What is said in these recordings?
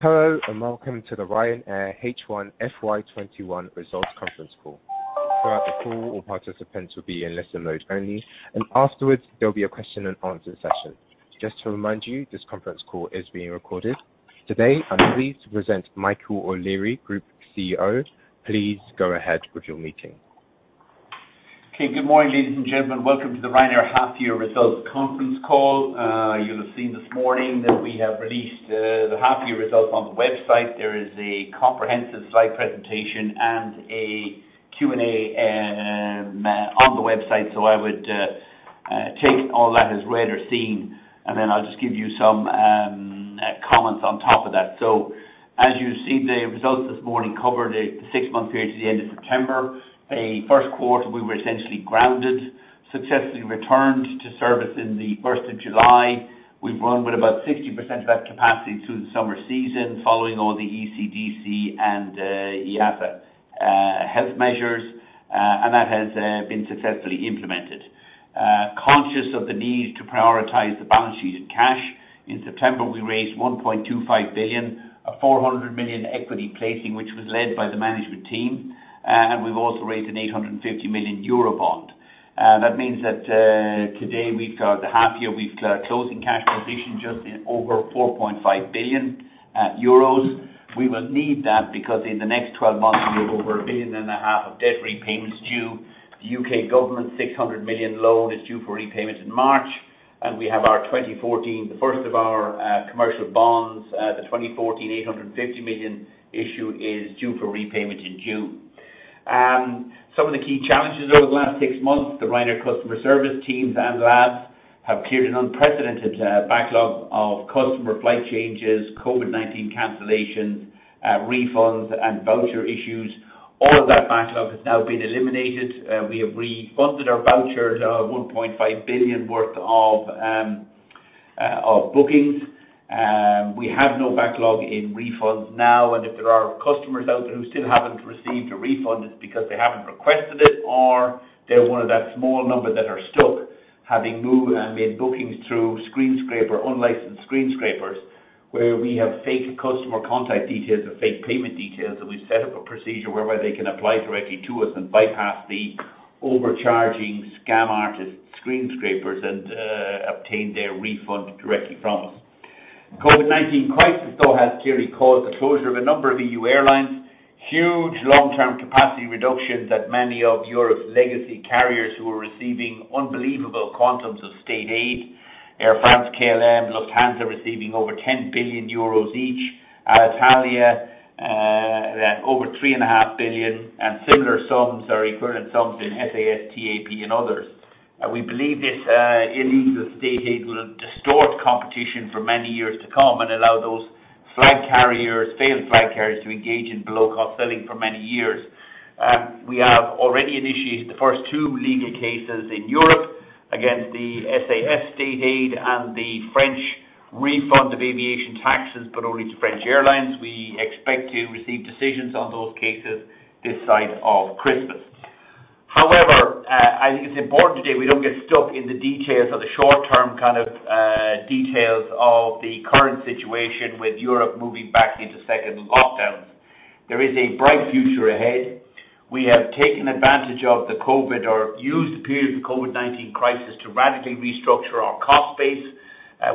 Hello, and welcome to the Ryanair H1 FY 2021 results conference call. Throughout the call, all participants will be in listen mode only, and afterwards there'll be a question and answer session. Just to remind you, this conference call is being recorded. Today, I'm pleased to present Michael O'Leary, Group CEO. Please go ahead with your meeting. Okay. Good morning, ladies and gentlemen. Welcome to the Ryanair half year results conference call. You'll have seen this morning that we have released the half-year results on the website. There is a comprehensive slide presentation and a Q&A on the website. I would take all that as read or seen, and then I'll just give you some comments on top of that. As you've seen, the results this morning covered a six-month period to the end of September. A first quarter we were essentially grounded, successfully returned to service in the 1st of July. We've run with about 60% of that capacity through the summer season, following all the ECDC and IATA health measures, and that has been successfully implemented. Conscious of the need to prioritize the balance sheet and cash, in September we raised 1.25 billion, a 400 million equity placing, which was led by the management team, and we've also raised an 850 million euro bond. That means that today we've got the half year we've closing cash position just over 4.5 billion euros. We will need that because in the next 12 months we have over 1.5 billion of debt repayments due. The U.K. government 600 million loan is due for repayment in March, and we have our 2014, the first of our commercial bonds, the 2014 850 million issue is due for repayment in June. Some of the key challenges over the last six months, the Ryanair customer service teams and labs have cleared an unprecedented backlog of customer flight changes, COVID-19 cancellations, refunds, and voucher issues. All of that backlog has now been eliminated. We have refunded our vouchers, 1.5 billion worth of bookings. We have no backlog in refunds now. If there are customers out there who still haven't received a refund, it's because they haven't requested it, or they're one of that small number that are stuck having moved and made bookings through screen scraper, unlicensed screen scrapers, where we have fake customer contact details and fake payment details, and we've set up a procedure whereby they can apply directly to us and bypass the overcharging scam artist screen scrapers and obtain their refund directly from us. COVID-19 crisis, though, has clearly caused the closure of a number of EU airlines. Huge long-term capacity reductions at many of Europe's legacy carriers who are receiving unbelievable quantums of state aid. Air France, KLM, Lufthansa receiving over 10 billion euros each. Alitalia, over 3.5 billion, and similar sums or equivalent sums in SAS, TAP, and others. We believe this illegal state aid will distort competition for many years to come and allow those flag carriers, failed flag carriers, to engage in below-cost selling for many years. We have already initiated the first two legal cases in Europe against the SAS state aid and the French refund of aviation taxes, but only to French airlines. We expect to receive decisions on those cases this side of Christmas. However, I think it's important today we don't get stuck in the details of the short-term kind of details of the current situation with Europe moving back into second lockdowns. There is a bright future ahead. We have taken advantage of the COVID or used the period of the COVID-19 crisis to radically restructure our cost base.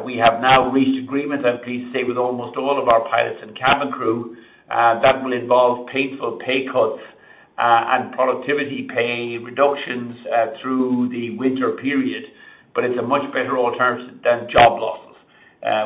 We have now reached agreement, I'm pleased to say, with almost all of our pilots and cabin crew. That will involve painful pay cuts and productivity pay reductions through the winter period. It's a much better alternative than job losses.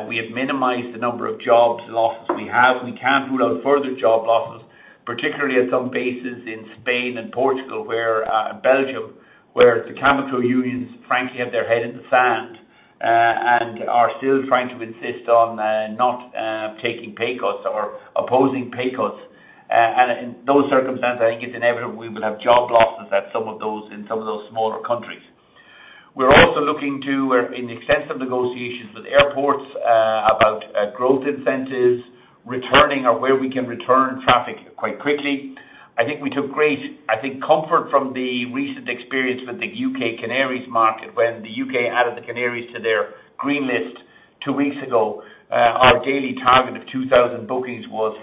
We have minimized the number of job losses we have. We can't rule out further job losses, particularly at some bases in Spain and Portugal where, and Belgium, where the cabin crew unions frankly have their head in the sand and are still trying to insist on not taking pay cuts or opposing pay cuts. In those circumstances, I think it's inevitable we will have job losses in some of those smaller countries. We're also in extensive negotiations with airports about growth incentives, returning or where we can return traffic quite quickly. We took great comfort from the recent experience with the U.K. Canaries market. When the U.K. added the Canaries to their green list two weeks ago, our daily target of 2,000 bookings was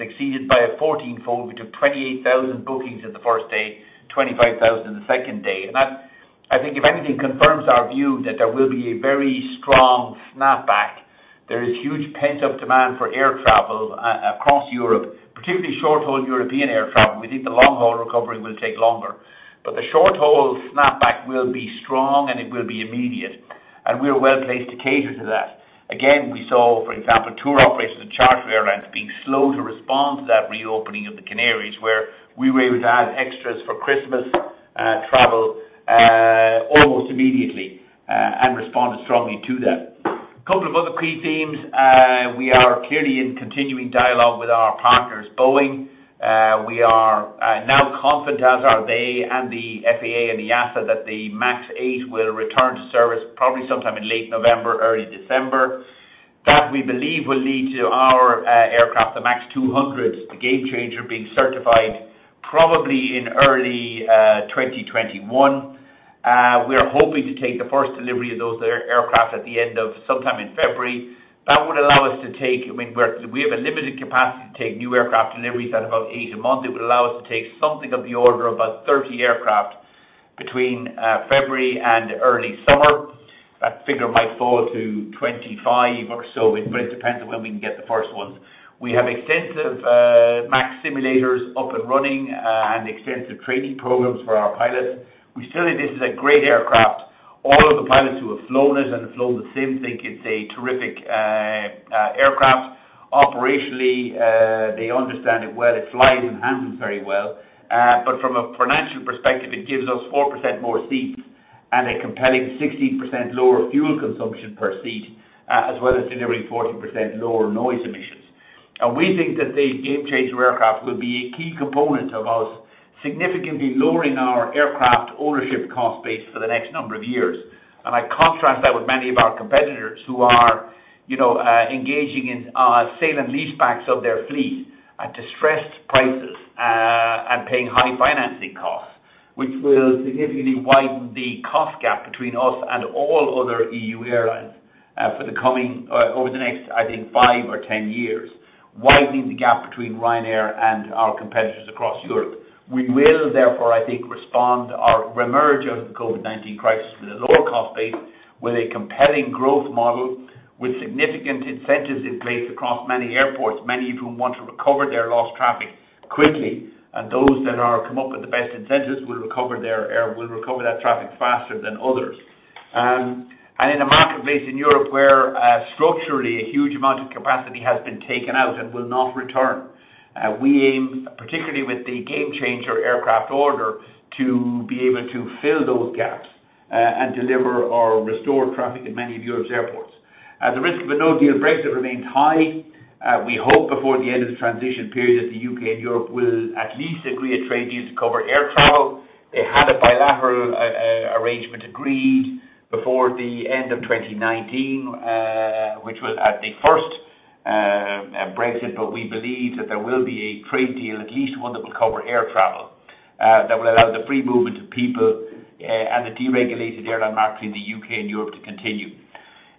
exceeded by a 14-fold. We took 28,000 bookings in the first day, 25,000 in the second day. That, I think if anything, confirms our view that there will be a very strong snapback. There is huge pent-up demand for air travel across Europe, particularly short-haul European air travel. We think the long-haul recovery will take longer. The short-haul snapback will be strong, and it will be immediate, and we're well placed to cater to that. We saw, for example, tour operators and charter airlines being slow to respond to that reopening of the Canaries, where we were able to add extras for Christmas travel almost immediately and responded strongly to that. A couple of other key themes. We are clearly in continuing dialogue with our partners, Boeing. We are now confident, as are they and the FAA and the EASA, that the MAX 8 will return to service probably sometime in late November, early December. That we believe will lead to our aircraft, the MAX 200, the Gamechanger, being certified probably in early 2021. We are hoping to take the first delivery of those aircraft at the end of sometime in February. That would allow us to take. We have a limited capacity to take new aircraft deliveries at about eight a month. It would allow us to take something of the order of about 30 aircraft between February and early summer. That figure might fall to 25 or so, but it depends on when we can get the first ones. We have extensive MAX simulators up and running, and extensive training programs for our pilots. We say that this is a great aircraft. All of the pilots who have flown it and flown the sims think it's a terrific aircraft. Operationally, they understand it well. It flies and handles very well. From a financial perspective, it gives us 4% more seats and a compelling 16% lower fuel consumption per seat, as well as delivering 40% lower noise emissions. We think that the Gamechanger aircraft will be a key component of us significantly lowering our aircraft ownership cost base for the next number of years. I contrast that with many of our competitors who are engaging in sale and leasebacks of their fleet at distressed prices, and paying high financing costs, which will significantly widen the cost gap between us and all other EU airlines over the next, I think, five or 10 years, widening the gap between Ryanair and our competitors across Europe. We will therefore, I think, respond or remerge out of the COVID-19 crisis with a lower cost base, with a compelling growth model, with significant incentives in place across many airports, many of whom want to recover their lost traffic quickly. Those that come up with the best incentives will recover that traffic faster than others. In a market place in Europe where structurally a huge amount of capacity has been taken out and will not return, we aim, particularly with the Gamechanger aircraft order, to be able to fill those gaps, and deliver or restore traffic in many of Europe's airports. The risk of a no-deal Brexit remains high. We hope before the end of the transition period that the U.K. and Europe will at least agree a trade deal to cover air travel. They had a bilateral arrangement agreed before the end of 2019 which was at the first Brexit, but we believe that there will be a trade deal, at least one that will cover air travel that will allow the free movement of people and the deregulated airline market in the U.K. and Europe to continue.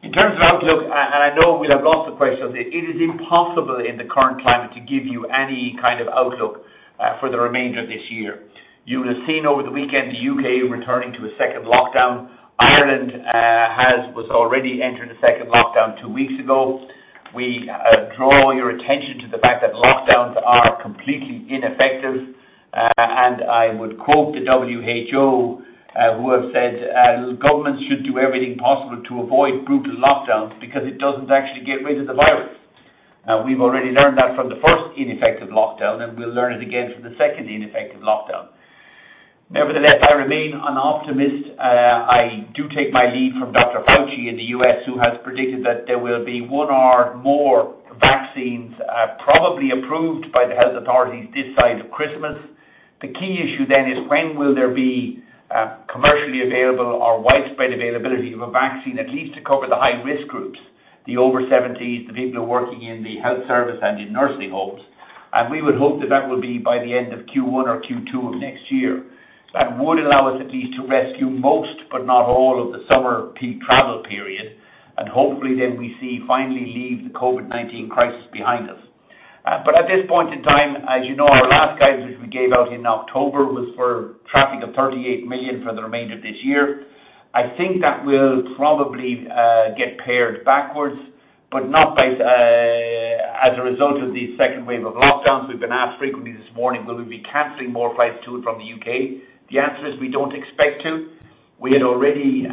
In terms of outlook, I know we'll have lots of questions. It is impossible in the current climate to give you any kind of outlook for the remainder of this year. You would've seen over the weekend, the U.K. returning to a second lockdown. Ireland has already entered a second lockdown two weeks ago. We draw your attention to the fact that lockdowns are completely ineffective, and I would quote the WHO who have said governments should do everything possible to avoid brutal lockdowns because it doesn't actually get rid of the virus. We've already learned that from the first ineffective lockdown, and we'll learn it again from the second ineffective lockdown. I remain an optimist. I do take my lead from Dr. Fauci in the U.S. who has predicted that there will be one or more vaccines probably approved by the health authorities this side of Christmas. The key issue then is when will there be commercially available or widespread availability of a vaccine, at least to cover the high-risk groups, the over 70s, the people who are working in the health service and in nursing homes. We would hope that that will be by the end of Q1 or Q2 of next year. That would allow us at least to rescue most, but not all of the summer peak travel period, and hopefully then we see finally leave the COVID-19 crisis behind us. At this point in time, as you know, our last guidance we gave out in October was for traffic of 38 million for the remainder of this year. I think that will probably get pared backwards, but not as a result of the second wave of lockdowns. We've been asked frequently this morning, will we be canceling more flights to and from the U.K.? The answer is we don't expect to. We had already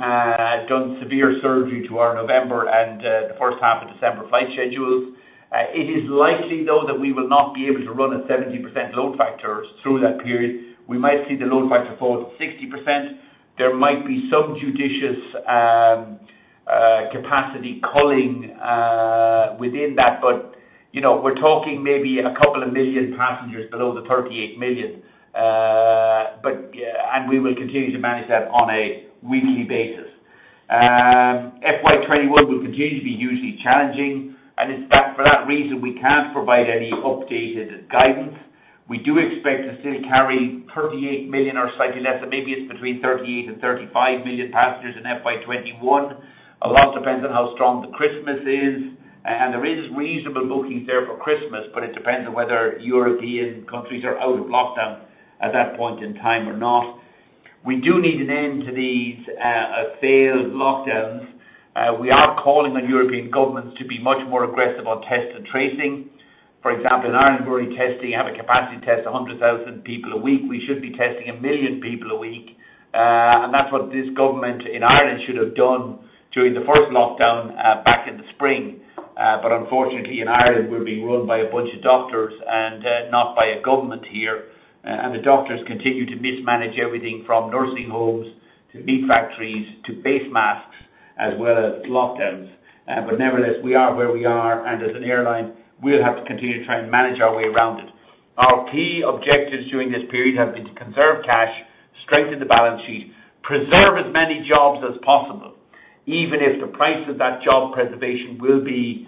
done severe surgery to our November and the first half of December flight schedules. It is likely though that we will not be able to run a 70% load factor through that period. We might see the load factor fall to 60%. There might be some judicious capacity culling within that. We're talking maybe a couple of million passengers below the 38 million. We will continue to manage that on a weekly basis. FY 2021 will continue to be hugely challenging, and it's for that reason, we can't provide any updated guidance. We do expect to still carry 38 million or slightly less. Maybe it's between 38 million and 35 million passengers in FY 2021. A lot depends on how strong the Christmas is, and there is reasonable bookings there for Christmas, but it depends on whether European countries are out of lockdown at that point in time or not. We do need an end to these failed lockdowns. We are calling on European governments to be much more aggressive on test and tracing. For example, in Ireland, we're only testing, have a capacity to test 100,000 people a week. We should be testing 1 million people a week. That's what this government in Ireland should have done during the first lockdown back in the spring. Unfortunately in Ireland, we're being run by a bunch of doctors and not by a government here. The doctors continue to mismanage everything from nursing homes to meat factories to face masks as well as lockdowns. Nevertheless, we are where we are and as an airline, we'll have to continue to try and manage our way around it. Our key objectives during this period have been to conserve cash, strengthen the balance sheet, preserve as many jobs as possible. Even if the price of that job preservation will be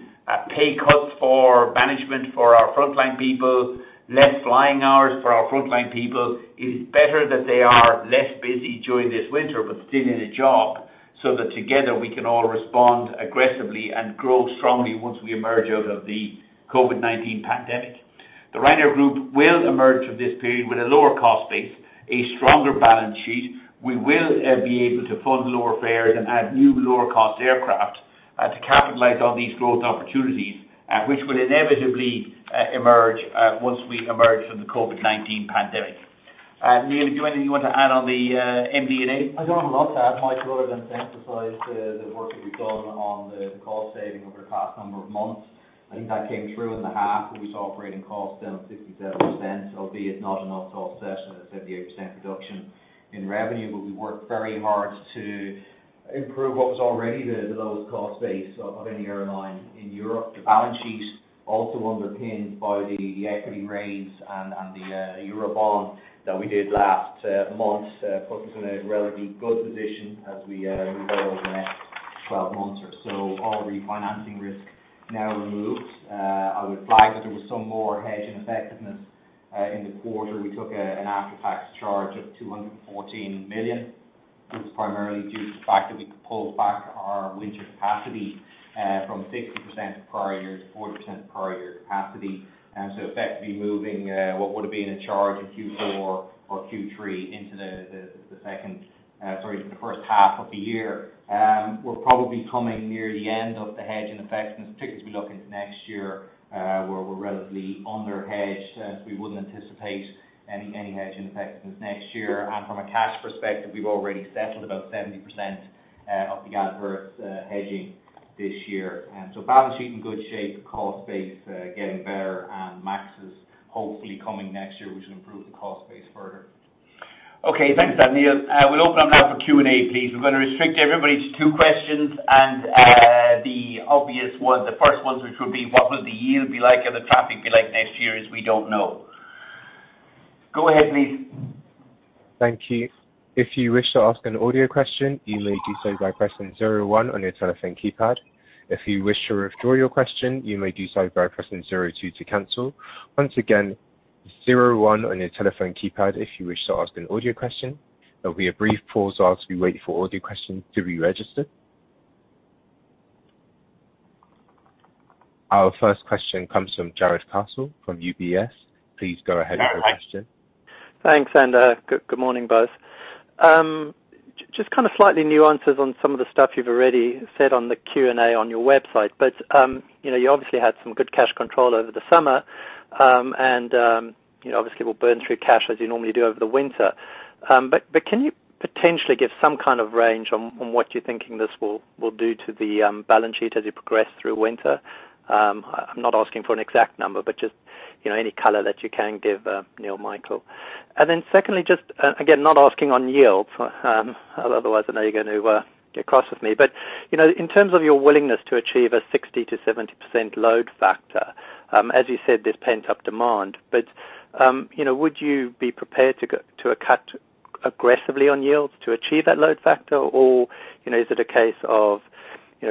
pay cuts for management, for our frontline people, less flying hours for our frontline people, it is better that they are less busy during this winter, but still in a job, so that together we can all respond aggressively and grow strongly once we emerge out of the COVID-19 pandemic. The Ryanair Group will emerge from this period with a lower cost base, a stronger balance sheet. We will be able to fund lower fares and add new lower cost aircraft to capitalize on these growth opportunities, which will inevitably emerge once we emerge from the COVID-19 pandemic. Neil, is there anything you want to add on the MD&A? I don't have a lot to add, Michael, other than to emphasize the work that we've done on the cost saving over the past number of months. I think that came through in the half, where we saw operating costs down 57%, albeit not enough to offset the 78% reduction in revenue. We worked very hard to improve what was already the lowest cost base of any airline in Europe. The balance sheet also underpinned by the equity raise and the euro bond that we did last month, put us in a relatively good position as we go over the next 12 months or so. All refinancing risk now removed. I would flag that there was some more hedge ineffectiveness in the quarter. We took an after-tax charge of 214 million. It was primarily due to the fact that we could pull back our winter capacity from 60% prior year to 40% prior year capacity. Effectively moving what would have been a charge in Q4 or Q3 into the first half of the year. We're probably coming near the end of the hedge ineffectiveness, particularly as we look into next year, where we're relatively under hedged. We wouldn't anticipate any hedge ineffectiveness next year. From a cash perspective, we've already settled about 70% of the adverse hedging this year. Balance sheet in good shape, cost base getting better, and MAX is hopefully coming next year. We should improve the cost base further. Okay. Thanks for that, Neil. We'll open up now for Q&A please. We're going to restrict everybody to two questions. The first ones, which would be what will the yield be like or the traffic be like next year, is we don't know. Go ahead please. Thank you. If you wish to ask an audio question, you may do so by pressing zero one on your telephone keypad. If you wish to withdraw your question, you may do so by pressing zero two to cancel. Once again, zero one on your telephone keypad if you wish to ask an audio question. We will have a brief pause while we are waiting for audio questions to be registered. Our first question comes from Jarrod Castle from UBS. Please go ahead with your question. Jarrod, hi. Thanks, good morning, both. Just kind of slightly nuances on some of the stuff you've already said on the Q&A on your website. You obviously had some good cash control over the summer, and obviously will burn through cash as you normally do over the winter. Can you potentially give some kind of range on what you're thinking this will do to the balance sheet as you progress through winter? I'm not asking for an exact number, but just any color that you can give, Neil, Michael. Secondly, just again, not asking on yields. Otherwise, I know you're going to get cross with me. In terms of your willingness to achieve a 60%-70% load factor, as you said, there's pent-up demand. Would you be prepared to cut aggressively on yields to achieve that load factor? Is it a case of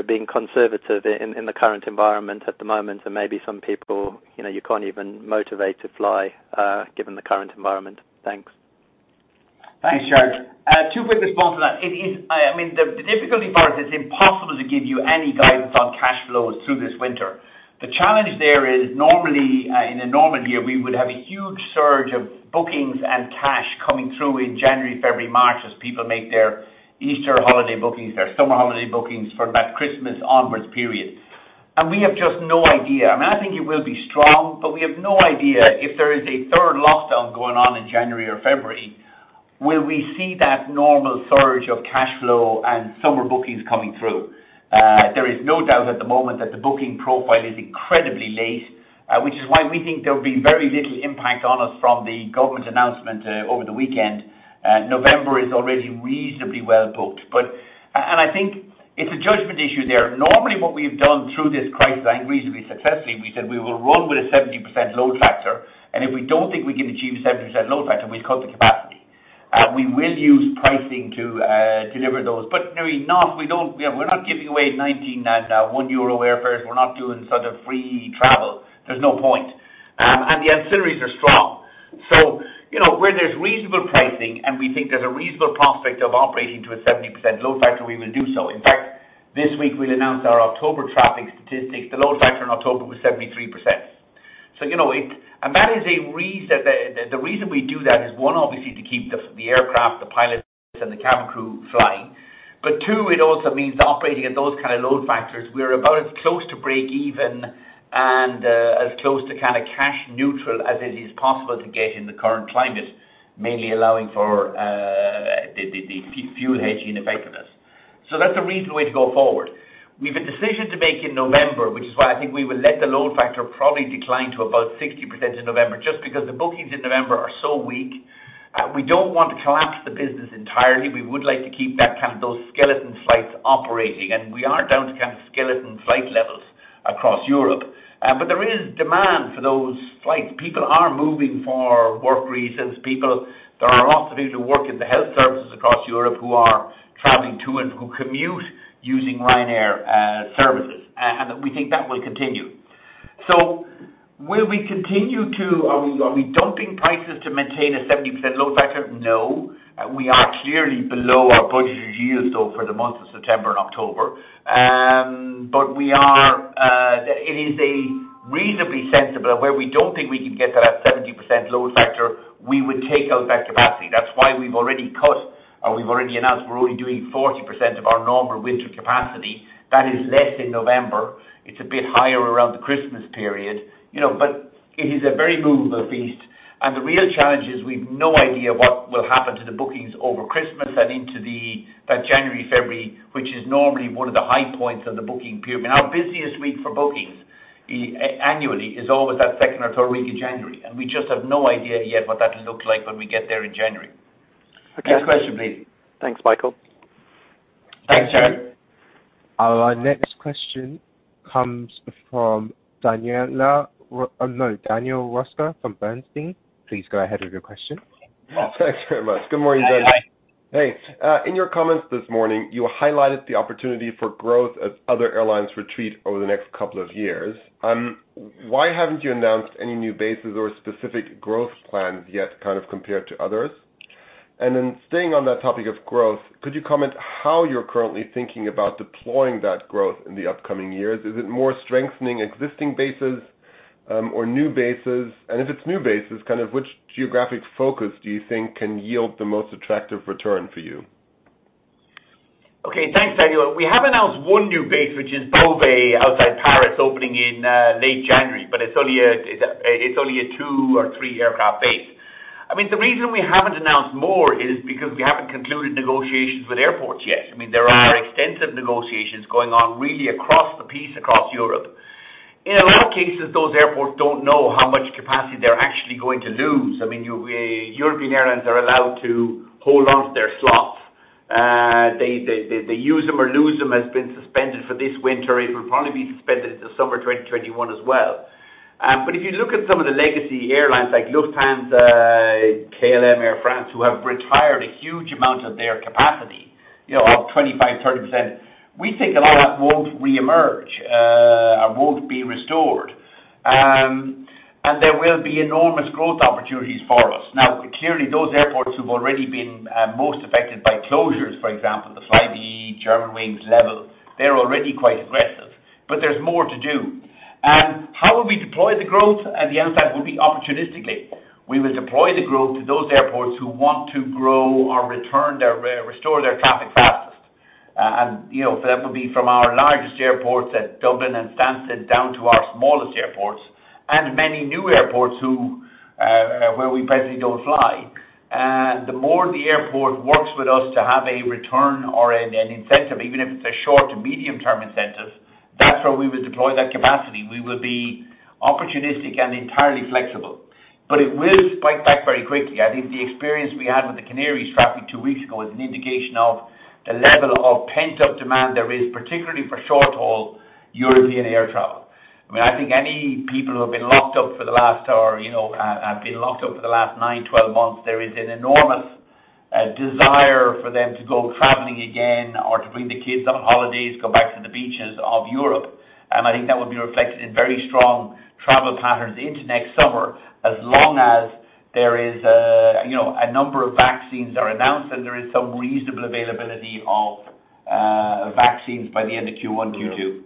being conservative in the current environment at the moment and maybe some people you can't even motivate to fly given the current environment? Thanks. Thanks, Jarrod. Two quick response on that. The difficulty part is it's impossible to give you any guidance on cash flows through this winter. The challenge there is in a normal year, we would have a huge surge of bookings and cash coming through in January, February, March as people make their Easter holiday bookings, their summer holiday bookings for that Christmas onwards period. We have just no idea. I think it will be strong, but we have no idea if there is a third lockdown going on in January or February. Will we see that normal surge of cash flow and summer bookings coming through? There is no doubt at the moment that the booking profile is incredibly late, which is why we think there will be very little impact on us from the government announcement over the weekend. November is already reasonably well booked. I think it's a judgment issue there. Normally, what we've done through this crisis, and reasonably successfully, we said we will run with a 70% load factor, and if we don't think we can achieve 70% load factor, we'll cut the capacity. We will use pricing to deliver those. We're not giving away 19 1 euro airfares. We're not doing free travel. There's no point. The ancillaries are strong. Where there's reasonable pricing and we think there's a reasonable prospect of operating to a 70% load factor, we will do so. In fact, this week we'll announce our October traffic statistics. The load factor in October was 73%. The reason we do that is one, obviously to keep the aircraft, the pilots, and the cabin crew flying. Two, it also means operating at those kind of load factors, we're about as close to break-even and as close to kind of cash neutral as it is possible to get in the current climate, mainly allowing for the fuel hedging effectiveness. That's a reasonable way to go forward. We've a decision to make in November, which is why I think we will let the load factor probably decline to about 60% in November, just because the bookings in November are so weak. We don't want to collapse the business entirely. We would like to keep those skeleton flights operating, and we are down to kind of skeleton flight levels across Europe. There is demand for those flights. People are moving for work reasons. There are lots of people who work in the health services across Europe who are traveling to and who commute using Ryanair services. We think that will continue. Are we dumping prices to maintain a 70% load factor? No. We are clearly below our budgeted yields though for the months of September and October. It is reasonably sensible where we don't think we can get to that 70% load factor, we would take out that capacity. That's why we've already cut or we've already announced we're only doing 40% of our normal winter capacity. That is less in November. It's a bit higher around the Christmas period. It is a very movable feast. The real challenge is we've no idea what will happen to the bookings over Christmas and into that January, February, which is normally one of the high points of the booking period. Our busiest week for bookings annually is always that second or third week of January, we just have no idea yet what that'll look like when we get there in January. Okay. Next question, please. Thanks, Michael. Thanks, Jarrod. Our next question comes from Daniel Röska from Bernstein. Please go ahead with your question. Hi. Thanks very much. Good morning, gentlemen. Hi. Hey. In your comments this morning, you highlighted the opportunity for growth as other airlines retreat over the next couple of years. Why haven't you announced any new bases or specific growth plans yet, kind of compared to others? Staying on that topic of growth, could you comment how you're currently thinking about deploying that growth in the upcoming years? Is it more strengthening existing bases or new bases? If it's new bases, which geographic focus do you think can yield the most attractive return for you? Okay. Thanks, Daniel. We have announced one new base, which is Beauvais outside Paris, opening in late January. It's only a two or three aircraft base. The reason we haven't announced more is because we haven't concluded negotiations with airports yet. There are extensive negotiations going on really across the piece across Europe. In a lot of cases, those airports don't know how much capacity they're actually going to lose. European airlines are allowed to hold onto their slots. The use them or lose them has been suspended for this winter. It will probably be suspended into summer 2021 as well. If you look at some of the legacy airlines like Lufthansa, KLM, Air France, who have retired a huge amount of their capacity, up 25%-30%, we think a lot of that won't reemerge or won't be restored. There will be enormous growth opportunities for us. Clearly those airports who've already been most affected by closures, for example, the Flybe, Germanwings, LEVEL, they're already quite aggressive. There's more to do. How will we deploy the growth? The answer to that will be opportunistically. We will deploy the growth to those airports who want to grow or restore their traffic fastest. That will be from our largest airports at Dublin and Stansted, down to our smallest airports and many new airports where we presently don't fly. The more the airport works with us to have a return or an incentive, even if it's a short to medium-term incentive, that's where we will deploy that capacity. We will be opportunistic and entirely flexible, but it will spike back very quickly. I think the experience we had with the Canaries traffic two weeks ago is an indication of the level of pent-up demand there is, particularly for short-haul European air travel. I think any people who have been locked up for the last nine, 12 months, there is an enormous desire for them to go traveling again or to bring the kids on holidays, go back to the beaches of Europe. I think that would be reflected in very strong travel patterns into next summer, as long as a number of vaccines are announced and there is some reasonable availability of vaccines by the end of Q1, Q2.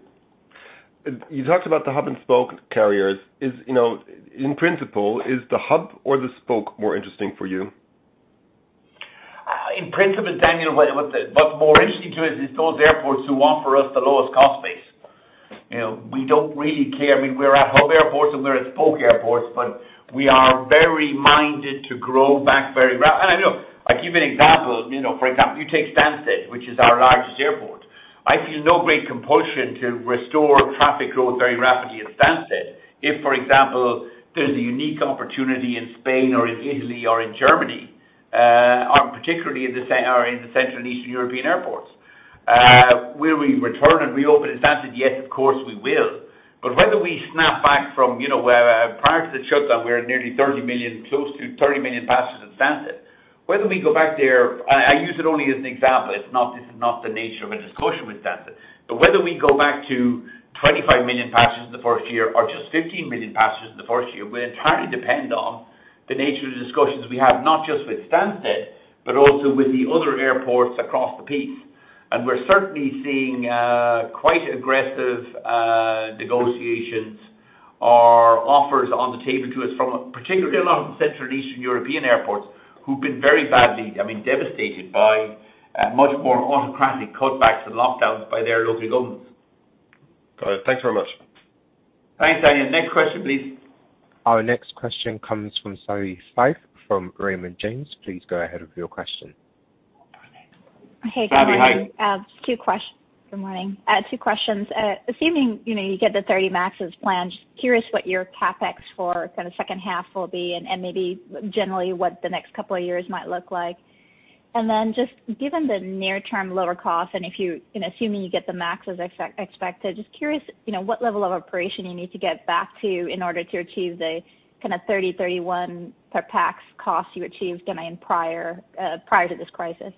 You talked about the hub-and-spoke carriers. In principle, is the hub or the spoke more interesting for you? In principle, Daniel, what's more interesting to us is those airports who offer us the lowest cost base. We don't really care. We're at hub airports and we're at spoke airports, but we are very minded to grow back very rapidly. I give you an example. For example, you take Stansted, which is our largest airport. I feel no great compulsion to restore traffic growth very rapidly at Stansted if, for example, there's a unique opportunity in Spain or in Italy or in Germany, or particularly in the central and eastern European airports. Will we return and reopen in Stansted? Yes, of course, we will. Whether we snap back from where prior to the shutdown we were at nearly 30 million, close to 30 million passengers at Stansted. Whether we go back there, I use it only as an example. This is not the nature of a discussion with Stansted. Whether we go back to 25 million passengers in the first year or just 15 million passengers in the first year will entirely depend on the nature of the discussions we have, not just with Stansted, but also with the other airports across the piece. We're certainly seeing quite aggressive negotiations or offers on the table to us from particularly central and eastern European airports who've been very badly devastated by much more autocratic cutbacks and lockdowns by their local governments. Got it. Thanks very much. Thanks, Daniel. Next question, please. Our next question comes from Savi Syth from Raymond James. Please go ahead with your question. Savi, hi. Hey, good morning. Two questions. Assuming you get the 30 MAXes planned, just curious what your CapEx for kind of second half will be and maybe generally what the next couple of years might look like. Just given the near-term lower cost, and assuming you get the MAX as expected, just curious what level of operation you need to get back to in order to achieve the kind of 30-31 per pax cost you achieved, prior to this crisis.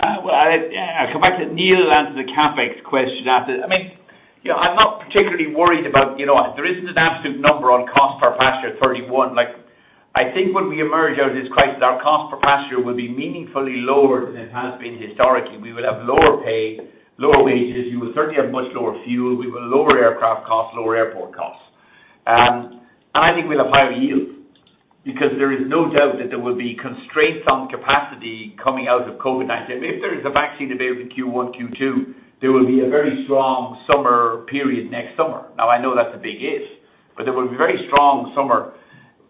Well, I'll come back to Neil to answer the CapEx question after. I'm not particularly worried about it. There isn't an absolute number on cost per passenger at 31. I think when we emerge out of this crisis, our cost per passenger will be meaningfully lower than it has been historically. We will have lower pay, lower wages. We will certainly have much lower fuel. We will have lower aircraft costs, lower airport costs. I think we'll have higher yield because there is no doubt that there will be constraints on capacity coming out of COVID-19. If there is a vaccine available Q1, Q2, there will be a very strong summer period next summer. I know that's a big if, there will be a very strong summer.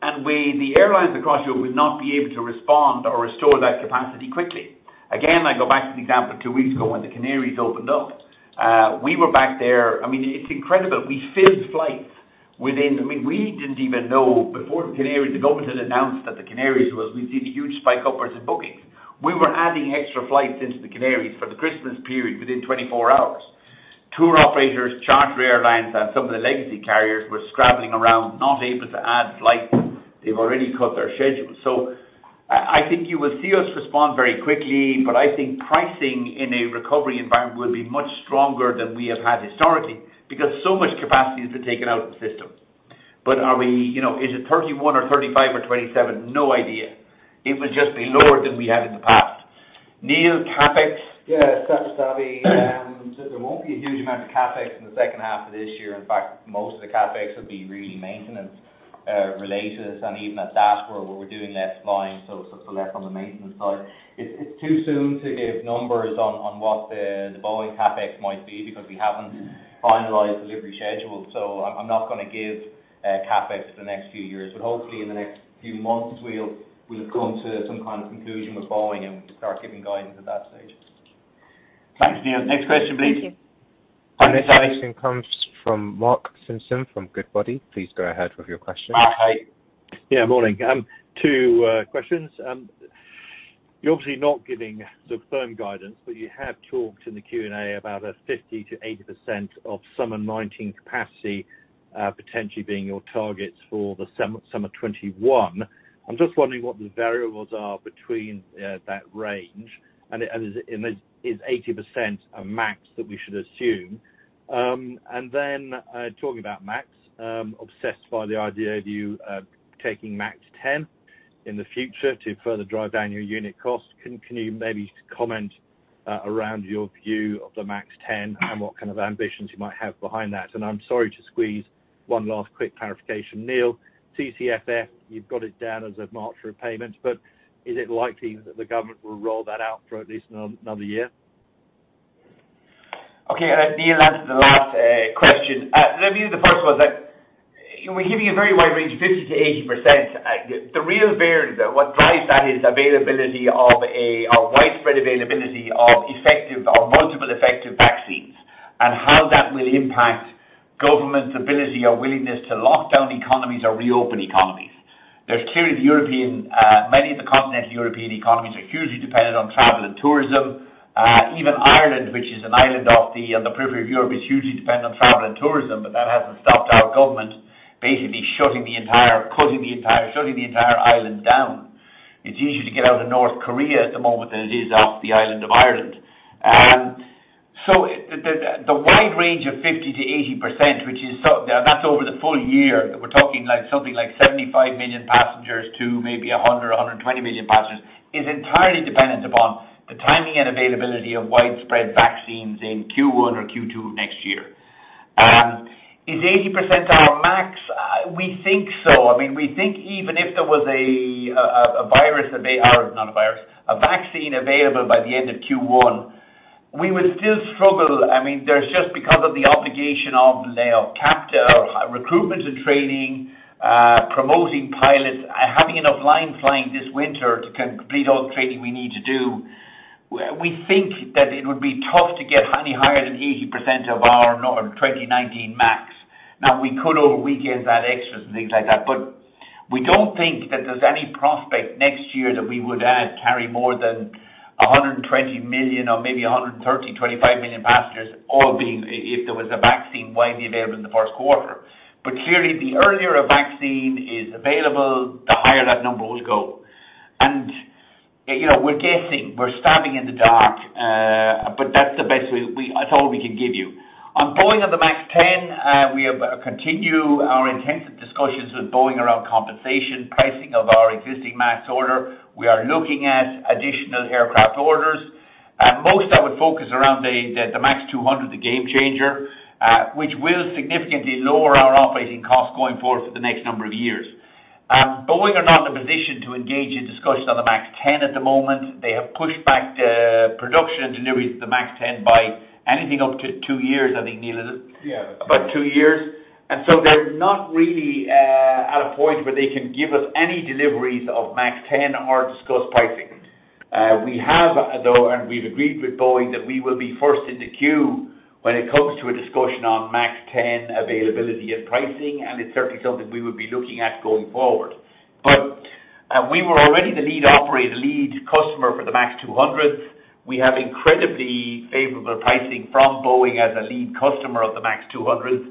The airlines across Europe would not be able to respond or restore that capacity quickly. I go back to the example two weeks ago when the Canaries opened up. We were back there. It's incredible. We didn't even know. Before the Canaries, the government had announced that the Canaries was, we'd seen a huge spike upwards in bookings. We were adding extra flights into the Canaries for the Christmas period within 24 hours. Tour operators, charter airlines, and some of the legacy carriers were scrabbling around, not able to add flights. They've already cut their schedules. I think you will see us respond very quickly, I think pricing in a recovery environment will be much stronger than we have had historically because so much capacity has been taken out of the system. Is it 31 or 35 or 27? No idea. It will just be lower than we had in the past. Neil, CapEx? Yeah. There won't be a huge amount of CapEx in the second half of this year. In fact, most of the CapEx will be really maintenance related, and even at that, where we're doing less flying, so less on the maintenance side. It's too soon to give numbers on what the Boeing CapEx might be because we haven't finalized delivery schedules. I'm not going to give CapEx for the next few years. Hopefully in the next few months, we'll come to some kind of conclusion with Boeing and we can start giving guidance at that stage. Thanks, Neil. Next question please. Thank you. Our next question comes from Mark Simpson from Goodbody. Please go ahead with your question. Mark, hi. Yeah, morning. Two questions. You're obviously not giving firm guidance, but you have talked in the Q&A about a 50%-80% of summer 2019 capacity potentially being your targets for the summer 2021. I'm just wondering what the variables are between that range. Is 80% a max that we should assume? Then talking about MAX, obsessed by the idea of you taking MAX 10 in the future to further drive down your unit cost. Can you maybe comment around your view of the MAX 10 and what kind of ambitions you might have behind that? I'm sorry to squeeze one last quick clarification. Neil, CCFF, you've got it down as a March repayment, but is it likely that the government will roll that out for at least another year? Okay. Neil will answer the last question. Let me do the first one. We're giving a very wide range, 50%-80%. The real variable, what drives that is widespread availability of multiple effective vaccines and how that will impact governments' ability or willingness to lock down economies or reopen economies. There's clearly many of the continental European economies are hugely dependent on travel and tourism. Even Ireland, which is an island off the periphery of Europe, is hugely dependent on travel and tourism, but that hasn't stopped our government basically shutting the entire island down. It's easier to get out of North Korea at the moment than it is off the island of Ireland. The wide range of 50%-80%, and that's over the full year. We're talking something like 75 million passengers to maybe 100 million or 120 million passengers is entirely dependent upon the timing and availability of widespread vaccines in Q1 or Q2 of next year. Is 80% our max? We think so. We think even if there was a vaccine available by the end of Q1, we would still struggle. Just because of the obligation of recruitment and training, promoting pilots, having enough lines flying this winter to complete all the training we need to do. We think that it would be tough to get any higher than 80% of our 2019 max. Now, we could over weekends add extras and things like that, but we don't think that there's any prospect next year that we would carry more than 120 million or maybe 130 million, 135 million passengers, if there was a vaccine widely available in the first quarter. Clearly, the earlier a vaccine is available, the higher that number would go. We're guessing. We're stabbing in the dark. That's all we can give you. On Boeing and the MAX 10, we continue our intensive discussions with Boeing around compensation, pricing of our existing MAX order. We are looking at additional aircraft orders. Most of it would focus around the MAX 200, the Gamechanger which will significantly lower our operating costs going forward for the next number of years. Boeing are not in a position to engage in discussions on the MAX 10 at the moment. They have pushed back the production and deliveries of the MAX 10 by anything up to two years, I think, Neil, is it? Yeah. About two years. They're not really at a point where they can give us any deliveries of MAX 10 or discuss pricing. We have though, and we've agreed with Boeing, that we will be first in the queue when it comes to a discussion on MAX 10 availability and pricing, and it's certainly something we would be looking at going forward. We were already the lead operator, lead customer for the MAX 200. We have incredibly favorable pricing from Boeing as a lead customer of the MAX 200.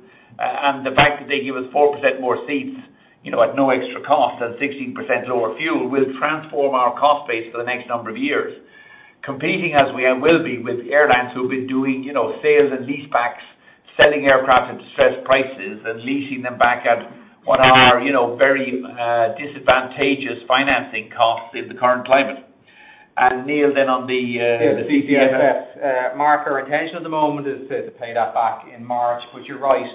The fact that they give us 4% more seats at no extra cost and 16% lower fuel will transform our cost base for the next number of years. Competing as we will be with airlines who have been doing sales and leasebacks, selling aircraft at distressed prices and leasing them back at what are very disadvantageous financing costs in the current climate. Neil, then on the CCFF. Yeah. The CCFF. Mark, our intention at the moment is to pay that back in March, but you're right.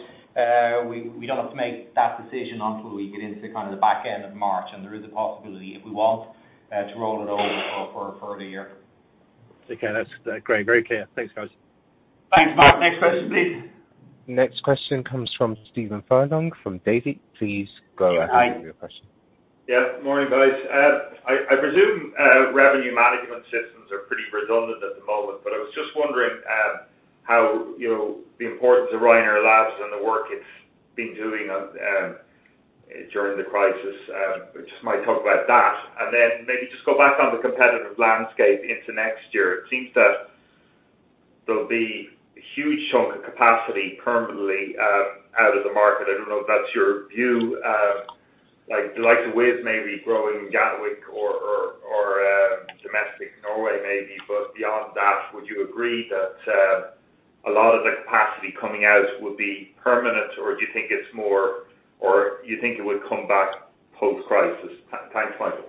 We don't have to make that decision until we get into kind of the back end of March, and there is a possibility if we want to roll it over for a further one year. Okay. That's great. Very clear. Thanks, guys. Thanks, Mark. Next question, please. Next question comes from Stephen Furlong from Davy. Please go ahead with your question. Morning, guys. I presume revenue management systems are pretty redundant at the moment, but I was just wondering how the importance of Ryanair Labs and the work it's been doing during the crisis. I just might talk about that. Then maybe just go back on the competitive landscape into next year. It seems that there'll be a huge chunk of capacity permanently out of the market. I don't know if that's your view. Like the likes of Wizz may be growing Gatwick or domestic Norway maybe. Beyond that, would you agree that a lot of the capacity coming out would be permanent or do you think it would come back post-crisis? Thanks, Michael.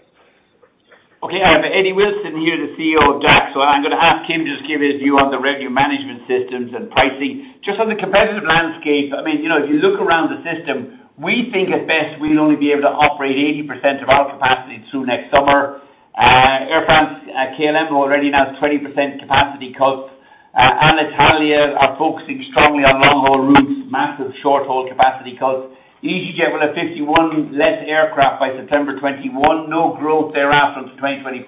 Okay. Eddie Wilson is here, the CEO of DAC. I'm going to ask him to just give his view on the revenue management systems and pricing. Just on the competitive landscape, if you look around the system, we think at best we'll only be able to operate 80% of our capacity through next summer. Air France-KLM who already announced 20% capacity cuts. Alitalia are focusing strongly on long-haul routes, massive short-haul capacity cuts. easyJet will have 51 less aircraft by September 2021, no growth thereafter to 2025.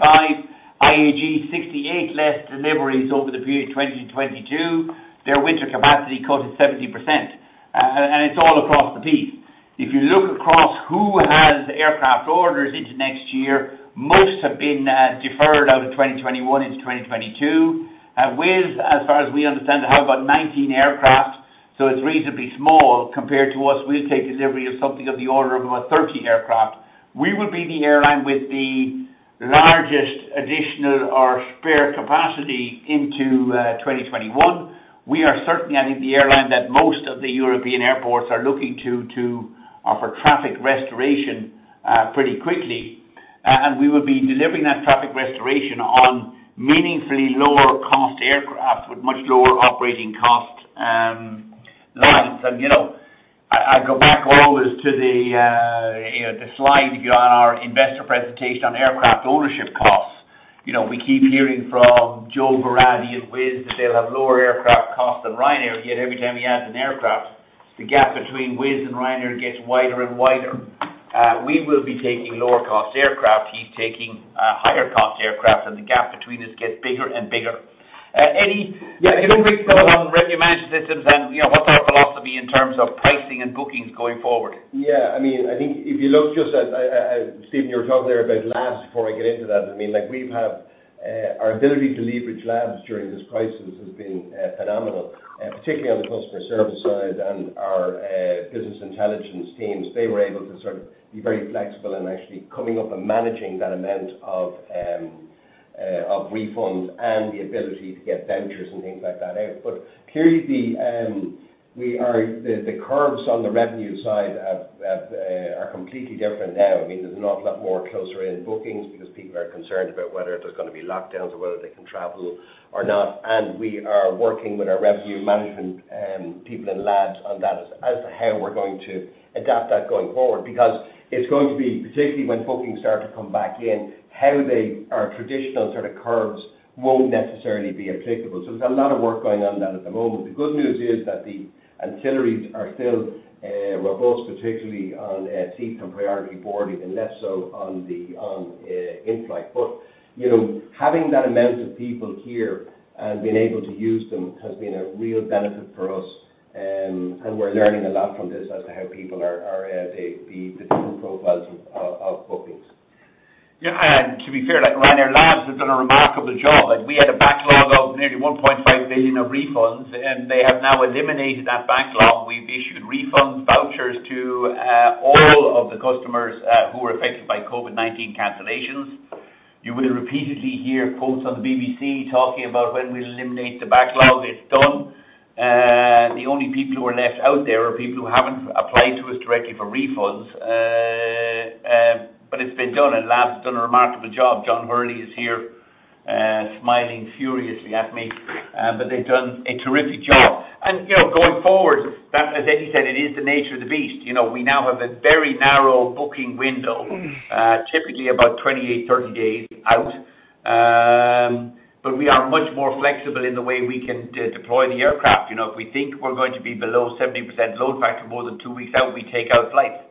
IAG, 68 less deliveries over the period 2022. Their winter capacity cut is 70%, and it's all across the piece. If you look across who has aircraft orders into next year, most have been deferred out of 2021 into 2022. Wizz, as far as we understand, have about 19 aircraft, so it's reasonably small compared to us. We'll take delivery of something of the order of about 30 aircraft. We will be the airline with the largest additional or spare capacity into 2021. We are certainly, I think, the airline that most of the European airports are looking to for traffic restoration pretty quickly. We will be delivering that traffic restoration on meaningfully lower cost aircraft with much lower operating cost lines. I go back always to the slide if you're on our investor presentation on aircraft ownership costs. We keep hearing from Joe Varadi and Wizz that they'll have lower aircraft costs than Ryanair, yet every time he adds an aircraft, the gap between Wizz and Ryanair gets wider and wider. We will be taking lower cost aircraft. He's taking higher cost aircraft, the gap between us gets bigger and bigger. Eddie, if you could briefly touch on revenue management systems and what's our philosophy in terms of pricing and bookings going forward? Yeah. I think if you look just at, Stephen, you were talking there about labs before I get into that. Our ability to leverage labs during this crisis has been phenomenal, particularly on the customer service side and our business intelligence teams. They were able to sort of be very flexible in actually coming up and managing that amount of refunds and the ability to get vouchers and things like that out. Clearly the curves on the revenue side are completely different now. There's an awful lot more closer in bookings because people are concerned about whether there's going to be lockdowns or whether they can travel or not, and we are working with our revenue management people in labs on that as to how we're going to adapt that going forward. It's going to be, particularly when bookings start to come back in, how they are traditional sort of curves won't necessarily be applicable. There's a lot of work going on that at the moment. The good news is that the ancillaries are still robust, particularly on seats and priority boarding, and less so on inflight. Having that amount of people here and being able to use them has been a real benefit for us. We're learning a lot from this as to how people are the different profiles of bookings. To be fair, Ryanair Labs has done a remarkable job. We had a backlog of nearly 1.5 billion of refunds. They have now eliminated that backlog. We've issued refunds, vouchers to all of the customers who were affected by COVID-19 cancellations. You will repeatedly hear quotes on the BBC talking about when we'll eliminate the backlog. It's done. The only people who are left out there are people who haven't applied to us directly for refunds. It's been done. Labs has done a remarkable job. John Hurley is here smiling furiously at me. They've done a terrific job. Going forward, as Eddie said, it is the nature of the beast. We now have a very narrow booking window. Typically about 28, 30 days out. We are much more flexible in the way we can deploy the aircraft. If we think we're going to be below 70% load factor more than two weeks out, we take out flights.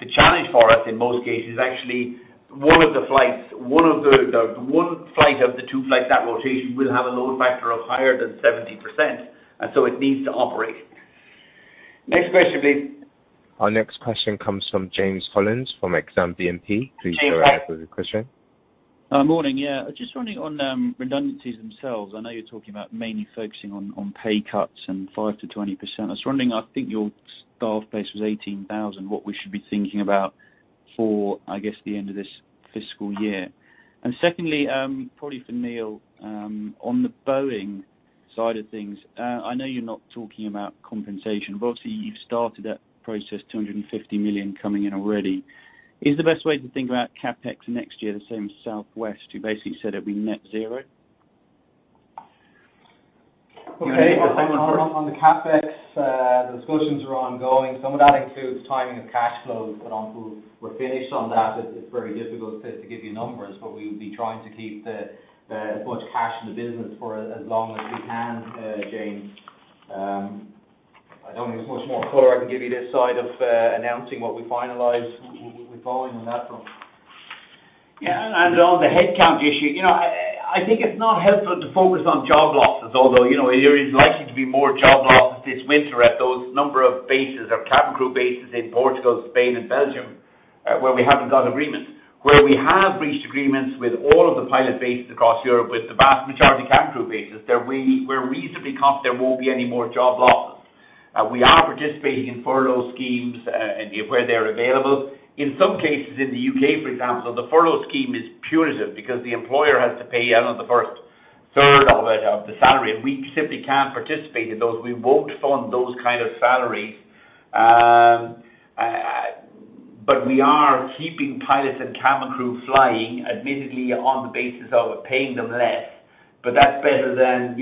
The challenge for us, in most cases, is actually one flight of the two flights that rotation will have a load factor of higher than 70%, and so it needs to operate. Next question, please. Our next question comes from James Hollins from Exane BNP. James, hi. Please go ahead with your question. Morning, yeah. Just wondering on redundancies themselves. I know you're talking about mainly focusing on pay cuts and 5%-20%. I was wondering, I think your staff base was 18,000, what we should be thinking about for, I guess, the end of this fiscal year. Secondly, probably for Neil, on the Boeing side of things. I know you're not talking about compensation, but obviously you've started that process, 250 million coming in already. Is the best way to think about CapEx next year the same Southwest, who basically said it'd be net zero? Okay. On the CapEx, the discussions are ongoing. Some of that includes timing of cash flows. Until we're finished on that, it's very difficult to give you numbers. We'll be trying to keep as much cash in the business for as long as we can, James. I don't think there's much more color I can give you this side of announcing what we finalize with Boeing on that front. On the headcount issue, I think it's not helpful to focus on job losses. Although, there is likely to be more job losses this winter at those number of bases or cabin crew bases in Portugal, Spain, and Belgium, where we haven't got agreement. Where we have reached agreements with all of the pilot bases across Europe, with the vast majority of cabin crew bases, we're reasonably confident there won't be any more job losses. We are participating in furlough schemes where they're available. In some cases, in the U.K., for example, the furlough scheme is punitive because the employer has to pay out on the first third of the salary, and we simply can't participate in those. We won't fund those kind of salaries. We are keeping pilots and cabin crew flying, admittedly, on the basis of paying them less. That's better than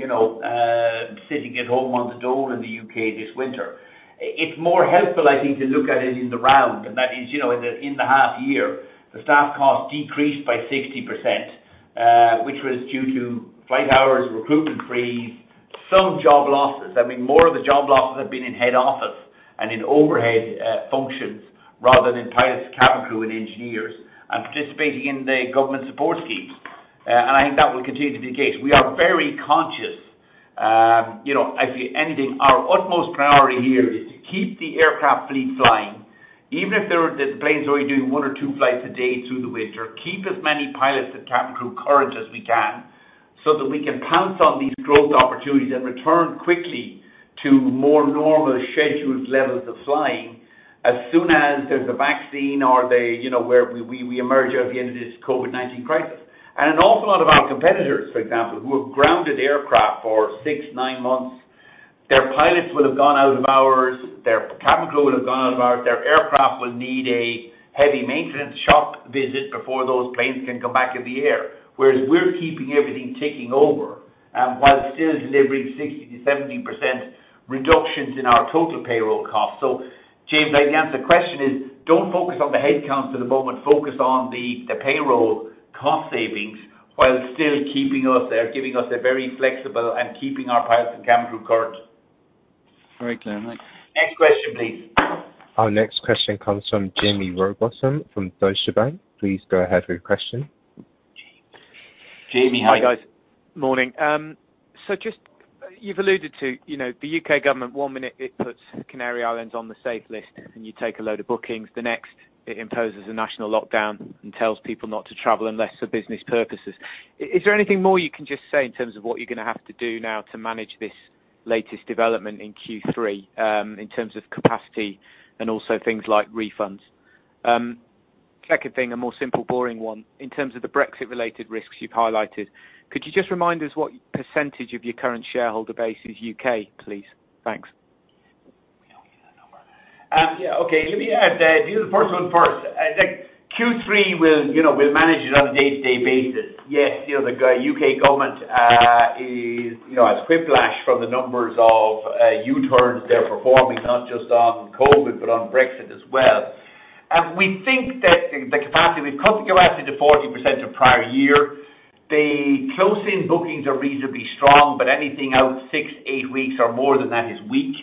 sitting at home on the dole in the U.K. this winter. It's more helpful, I think, to look at it in the round. That is, in the half year, the staff cost decreased by 60%, which was due to flight hours, recruitment freeze, some job losses. More of the job losses have been in head office and in overhead functions rather than in pilots, cabin crew, and engineers, and participating in the government support schemes. I think that will continue to be the case. We are very conscious. If anything, our utmost priority here is to keep the aircraft fleet flying, even if the planes are only doing one or two flights a day through the winter. Keep as many pilots and cabin crew current as we can, so that we can pounce on these growth opportunities and return quickly to more normal scheduled levels of flying as soon as there's a vaccine or we emerge out the end of this COVID-19 crisis. An awful lot of our competitors, for example, who have grounded aircraft for six, nine months, their pilots will have gone out of hours, their cabin crew will have gone out of hours. Their aircraft will need a heavy maintenance shop visit before those planes can go back in the air. Whereas we're keeping everything ticking over, while still delivering 60%-70% reductions in our total payroll cost. James, the answer to the question is, don't focus on the headcounts at the moment, focus on the payroll cost savings while still giving us a very flexible and keeping our pilots and cabin crew current. Very clear, mate. Next question, please. Our next question comes from Jaime Rowbotham from Deutsche Bank. Please go ahead with your question. Jaime, hi. Hi, guys. Morning. You've alluded to the U.K. government, one minute it puts Canary Islands on the safe list and you take a load of bookings. The next, it imposes a national lockdown and tells people not to travel unless for business purposes. Is there anything more you can just say in terms of what you're going to have to do now to manage this latest development in Q3, in terms of capacity and also things like refunds? Second thing, a more simple, boring one. In terms of the Brexit-related risks you've highlighted, could you just remind us what percentage of your current shareholder base is U.K., please? Thanks. We don't get that number. Yeah. Okay. Let me deal with the first one first. Q3, we'll manage it on a day-to-day basis. Yes, the U.K. government has whiplash from the numbers of U-turns they're performing, not just on COVID-19, but on Brexit as well. We think that the capacity, we've cut capacity to 40% of prior year. The close-in bookings are reasonably strong, but anything out six to eight weeks or more than that is weak.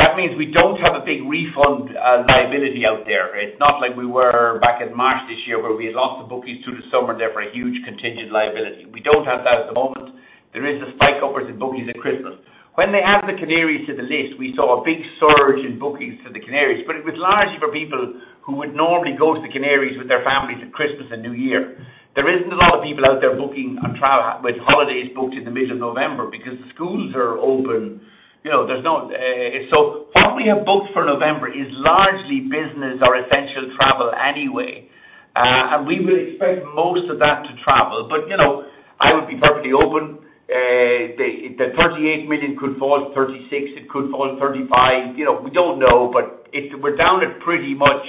That means we don't have a big refund liability out there. It's not like we were back in March this year where we had lots of bookings through the summer, therefore, a huge contingent liability. We don't have that at the moment. There is a spike upwards in bookings at Christmas. When they added the Canaries to the list, we saw a big surge in bookings to the Canaries, but it was largely for people who would normally go to the Canaries with their families at Christmas and New Year. There isn't a lot of people out there booking with holidays booked in the middle of November because the schools are open. What we have booked for November is largely business or essential travel anyway. We will expect most of that to travel. I would be perfectly open. The 38 million could fall to 36 million, it could fall to 35 million. We don't know. We're down at pretty much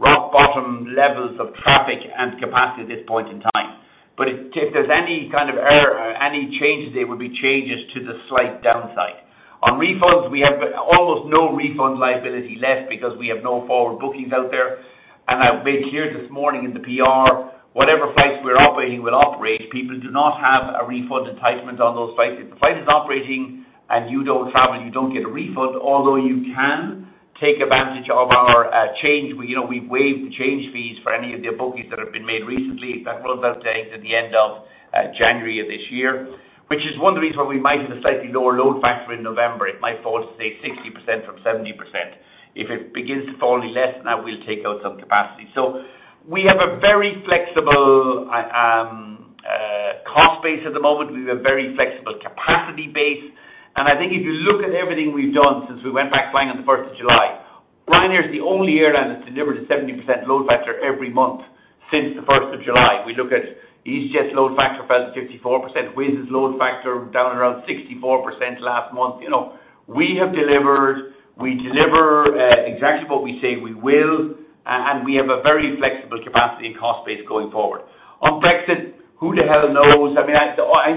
rock bottom levels of traffic and capacity at this point in time. If there's any kind of error or any changes, they would be changes to the slight downside. On refunds, we have almost no refund liability left because we have no forward bookings out there. I've made clear this morning in the PR, whatever flights we're operating will operate. People do not have a refund entitlement on those flights. If the flight is operating and you don't travel, you don't get a refund, although you can take advantage of our change. We've waived the change fees for any of the bookings that have been made recently. That runs, I would say, to the end of January of this year, which is one of the reasons why we might have a slightly lower load factor in November. It might fall to, say, 60% from 70%. If it begins to fall any less, then that will take out some capacity. We have a very flexible cost base at the moment. We have a very flexible capacity base. I think if you look at everything we've done since we went back flying on the 1st of July, Ryanair is the only airline that's delivered a 70% load factor every month since the 1st of July. We look at easyJet's load factor fell to 54%, Wizz's load factor down around 64% last month. We deliver exactly what we say we will, and we have a very flexible capacity and cost base going forward. On Brexit, who the hell knows? I mean,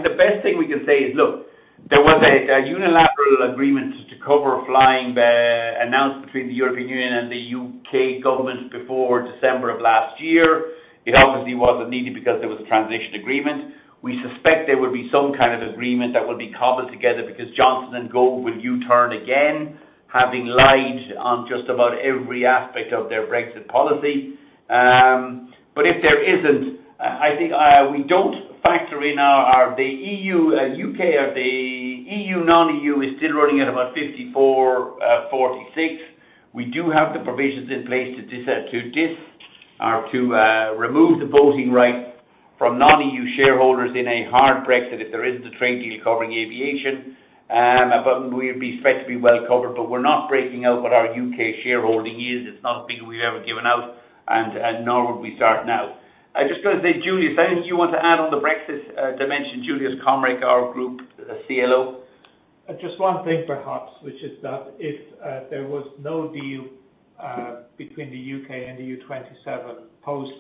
the best thing we can say is, look, there was a unilateral agreement to cover flying announced between the European Union and the U.K. government before December of last year. It obviously wasn't needed because there was a transition agreement. We suspect there will be some kind of agreement that will be cobbled together because Johnson and Gove will U-turn again, having lied on just about every aspect of their Brexit policy. If there isn't, I think we don't factor in the EU. U.K. of the EU, non-EU is still running at about 54/46. We do have the provisions in place to remove the voting right from non-EU shareholders in a hard Brexit if there isn't a trade deal covering aviation. We expect to be well covered. We're not breaking out what our U.K. shareholding is. It's not a figure we've ever given out, and nor would we start now. I'm just going to say, Juliusz, I don't know if you want to add on the Brexit dimension. Juliusz Komorek, our group CLO. Just one thing, perhaps, which is that if there was no deal between the U.K. and the EU 27 post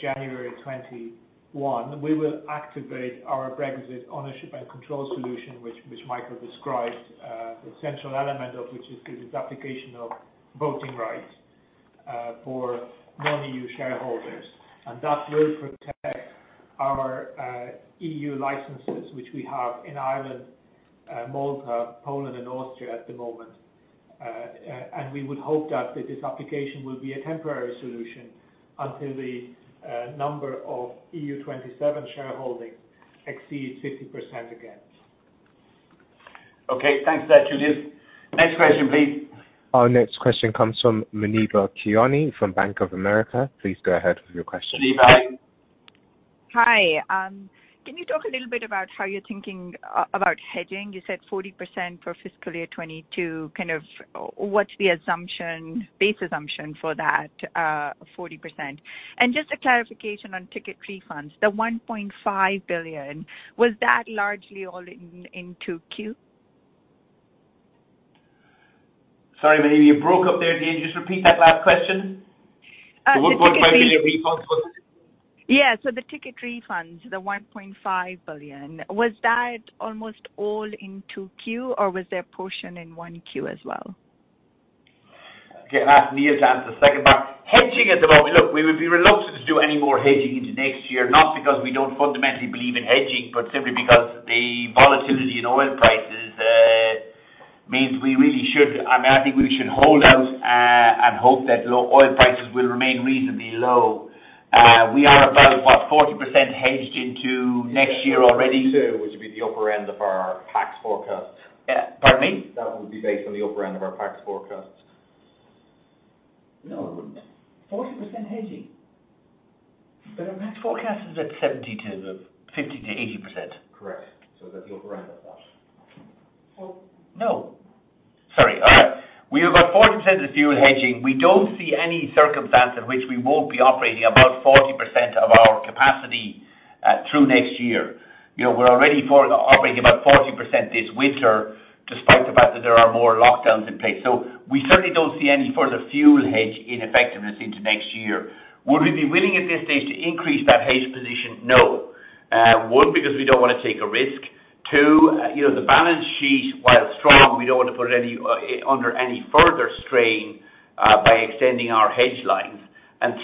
January 21, we will activate our Brexit ownership and control solution, which Michael described. Essential element of which is disapplication of voting rights for non-EU shareholders. That will protect our EU licenses, which we have in Ireland, Malta, Poland, and Austria at the moment. We would hope that disapplication will be a temporary solution until the number of EU 27 shareholding exceeds 50% again. Okay. Thanks for that, Juliusz. Next question, please. Our next question comes from Muneeba Kayani from Bank of America. Please go ahead with your question. Muneeba, hi. Hi. Can you talk a little bit about how you're thinking about hedging? You said 40% for FY 2022. Kind of what's the base assumption for that 40%? Just a clarification on ticket refunds. The 1.5 billion, was that largely all in 2Q? Sorry, Muneeba, you broke up there at the end. Just repeat that last question. The 1.5 billion refunds. Yeah. The ticket refunds, the 1.5 billion, was that almost all in 2Q, or was there a portion in 1Q as well? Okay, I'll ask Neil to answer the second part. Hedging at the moment, look, we would be reluctant to do any more hedging into next year, not because we don't fundamentally believe in hedging, but simply because the volatility in oil prices means we really should. I mean, I think we should hold out and hope that oil prices will remain reasonably low. We are about, what, 40% hedged into next year already. Q2, which would be the upper end of our pax forecast. Pardon me. That would be based on the upper end of our pax forecast. No, it wouldn't. 40% hedging? Our pax forecast is at 70% to 50%-80%. Correct. That's the upper end of that. Well, no. Sorry. All right. We have got 40% of the fuel hedging. We don't see any circumstance in which we won't be operating above 40% of our capacity through next year. We're already operating about 40% this winter, despite the fact that there are more lockdowns in place. We certainly don't see any further fuel hedge ineffectiveness into next year. Would we be willing at this stage to increase that hedge position? No. One, because we don't want to take a risk. Two, the balance sheet, while strong, we don't want to put it under any further strain by extending our hedge lines.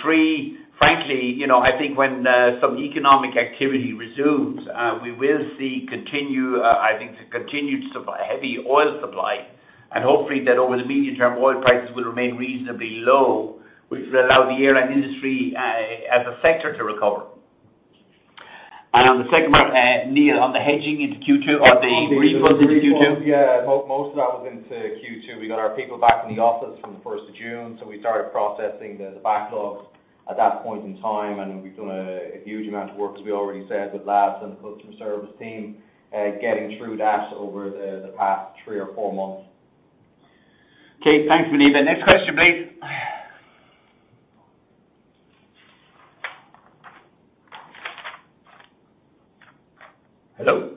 Three, frankly, I think when some economic activity resumes, we will see continued heavy oil supply, and hopefully that over the medium term, oil prices will remain reasonably low, which will allow the airline industry as a sector to recover. On the second part, Neil, on the hedging into Q2 or the refunds into Q2? Yeah. Most of that was into Q2. We got our people back in the office from the 1st of June, so we started processing the backlogs at that point in time, and we've done a huge amount of work, as we already said, with labs and the customer service team getting through that over the past three or four months. Okay. Thanks, Muneeba. Next question, please. Hello?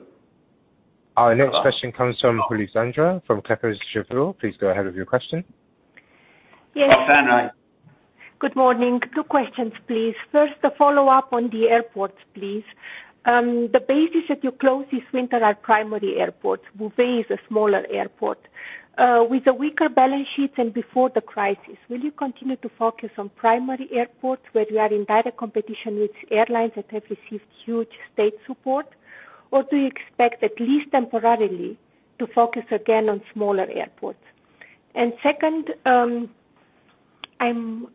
Our next question comes from [Alessandra] from Kepler Cheuvreux. Please go ahead with your question. [Alessandra], hi. Good morning. Two questions, please. First, a follow-up on the airports, please. The bases that you closed this winter are primary airports. Beauvais is a smaller airport. With the weaker balance sheets and before the crisis, will you continue to focus on primary airports where you are in direct competition with airlines that have received huge state support? Do you expect, at least temporarily, to focus again on smaller airports? Second, I'm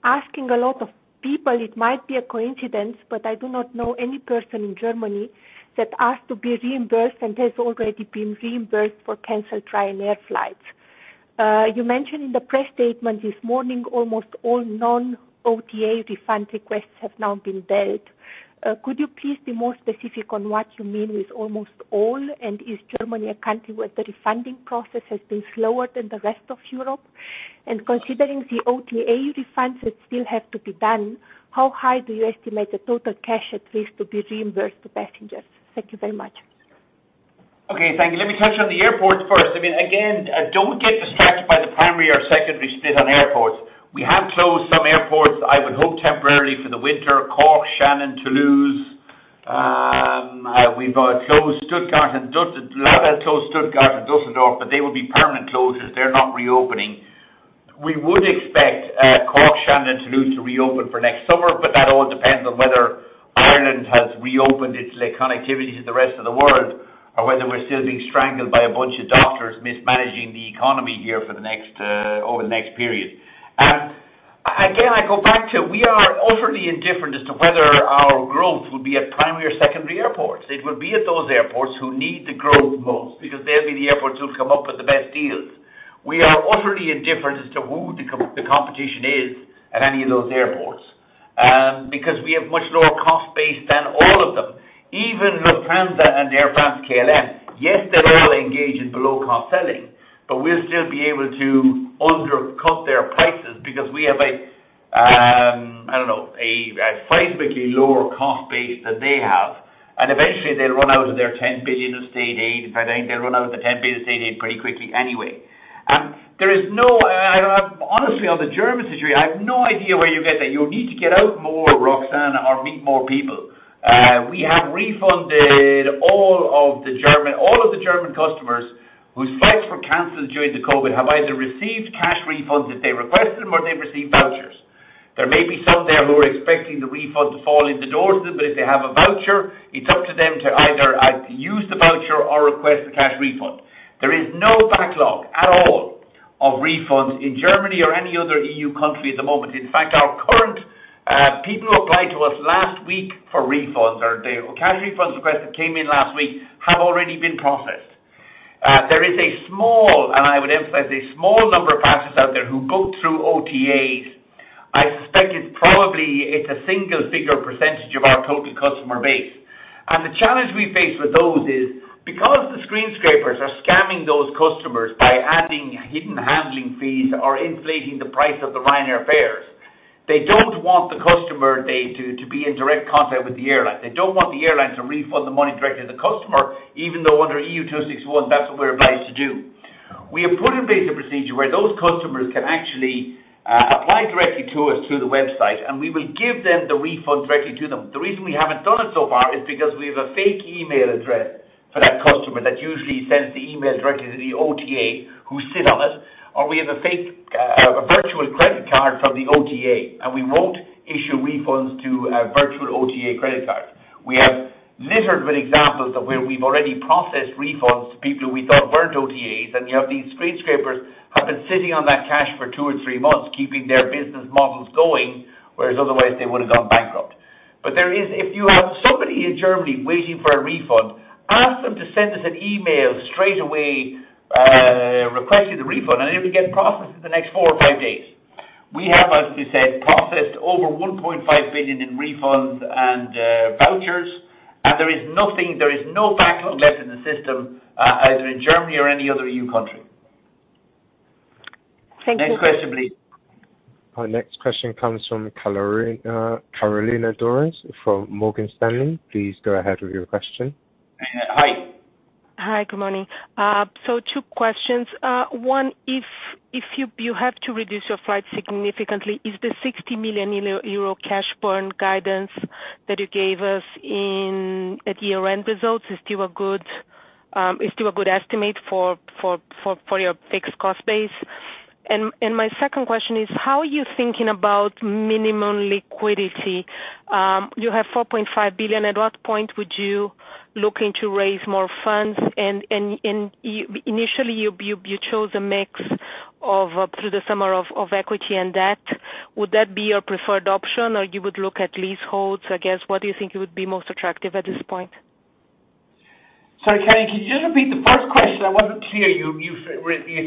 asking a lot of people, it might be a coincidence, but I do not know any person in Germany that asked to be reimbursed and has already been reimbursed for canceled Ryanair flights. You mentioned in the press statement this morning almost all non-OTA refund requests have now been dealt. Could you please be more specific on what you mean with almost all? Is Germany a country where the refunding process has been slower than the rest of Europe? Considering the OTA refunds that still have to be done, how high do you estimate the total cash at risk to be reimbursed to passengers? Thank you very much. Okay, thank you. Let me touch on the airports first. Again, don't get distracted by the primary or secondary split on airports. We have closed some airports, I would hope temporarily for the winter. Cork, Shannon, Toulouse. We've closed Stuttgart and well, I'd close Stuttgart and Dusseldorf, but they will be permanent closures. They're not reopening. We would expect Cork, Shannon, and Toulouse to reopen for next summer, but that all depends on whether Ireland has reopened its connectivity to the rest of the world, or whether we're still being strangled by a bunch of doctors mismanaging the economy here over the next period. Again, I go back to we are utterly indifferent as to whether our growth will be at primary or secondary airports. It will be at those airports who need the growth most because they'll be the airports who'll come up with the best deals. We are utterly indifferent as to who the competition is at any of those airports. We have much lower cost base than all of them. Even Lufthansa and Air France-KLM. Yes, they all engage in below-cost selling, but we'll still be able to undercut their prices because we have a significantly lower cost base than they have. Eventually, they'll run out of their 10 billion of state aid. In fact, I think they'll run out of the 10 billion state aid pretty quickly anyway. Honestly, on the German situation, I have no idea where you get that. You need to get out more, Roxanne, or meet more people. We have refunded all of the German customers whose flights were canceled during the COVID have either received cash refunds if they requested them or they've received vouchers. There may be some there who are expecting the refund to fall in the door to them, but if they have a voucher, it's up to them to either use the voucher or request the cash refund. There is no backlog at all of refunds in Germany or any other EU country at the moment. In fact, our current people who applied to us last week for refunds or their cash refunds requests that came in last week have already been processed. There is a small, and I would emphasize a small number of passengers out there who book through OTAs. I suspect it's probably a single-figure percentage of our total customer base. The challenge we face with those is because the screen scrapers are scamming those customers by adding hidden handling fees or inflating the price of the Ryanair fares, they don't want the customer to be in direct contact with the airline. They don't want the airline to refund the money directly to the customer, even though under EU 261, that's what we're obliged to do. We have put in place a procedure where those customers can actually apply directly to us through the website, we will give them the refund directly to them. The reason we haven't done it so far is because we have a fake email address for that customer that usually sends the email directly to the OTA who sit on it, or we have a virtual credit card from the OTA, we won't issue refunds to a virtual OTA credit card. We have littered with examples of where we've already processed refunds to people who we thought weren't OTAs, and you have these screen scrapers have been sitting on that cash for two or three months, keeping their business models going, whereas otherwise they would have gone bankrupt. If you have somebody in Germany waiting for a refund, ask them to send us an email straight away requesting the refund, and it'll get processed in the next four or five days. We have, as we said, processed over 1.5 billion in refunds and vouchers, and there is no backlog left in the system, either in Germany or any other EU country. Thank you. Next question, please. Our next question comes from Carolina Dores from Morgan Stanley. Please go ahead with your question. Hi. Hi. Good morning. Two questions. One, if you have to reduce your flights significantly, is the 60 million euro cash burn guidance that you gave us at year-end results still a good estimate for your fixed cost base? My second question is, how are you thinking about minimum liquidity? You have 4.5 billion. At what point would you look into raising more funds? Initially, you chose a mix through the summer of equity and debt. Would that be your preferred option, or you would look at leaseholds, I guess? What do you think it would be most attractive at this point? Sorry, Carolina, could you just repeat the first question? I wasn't clear. You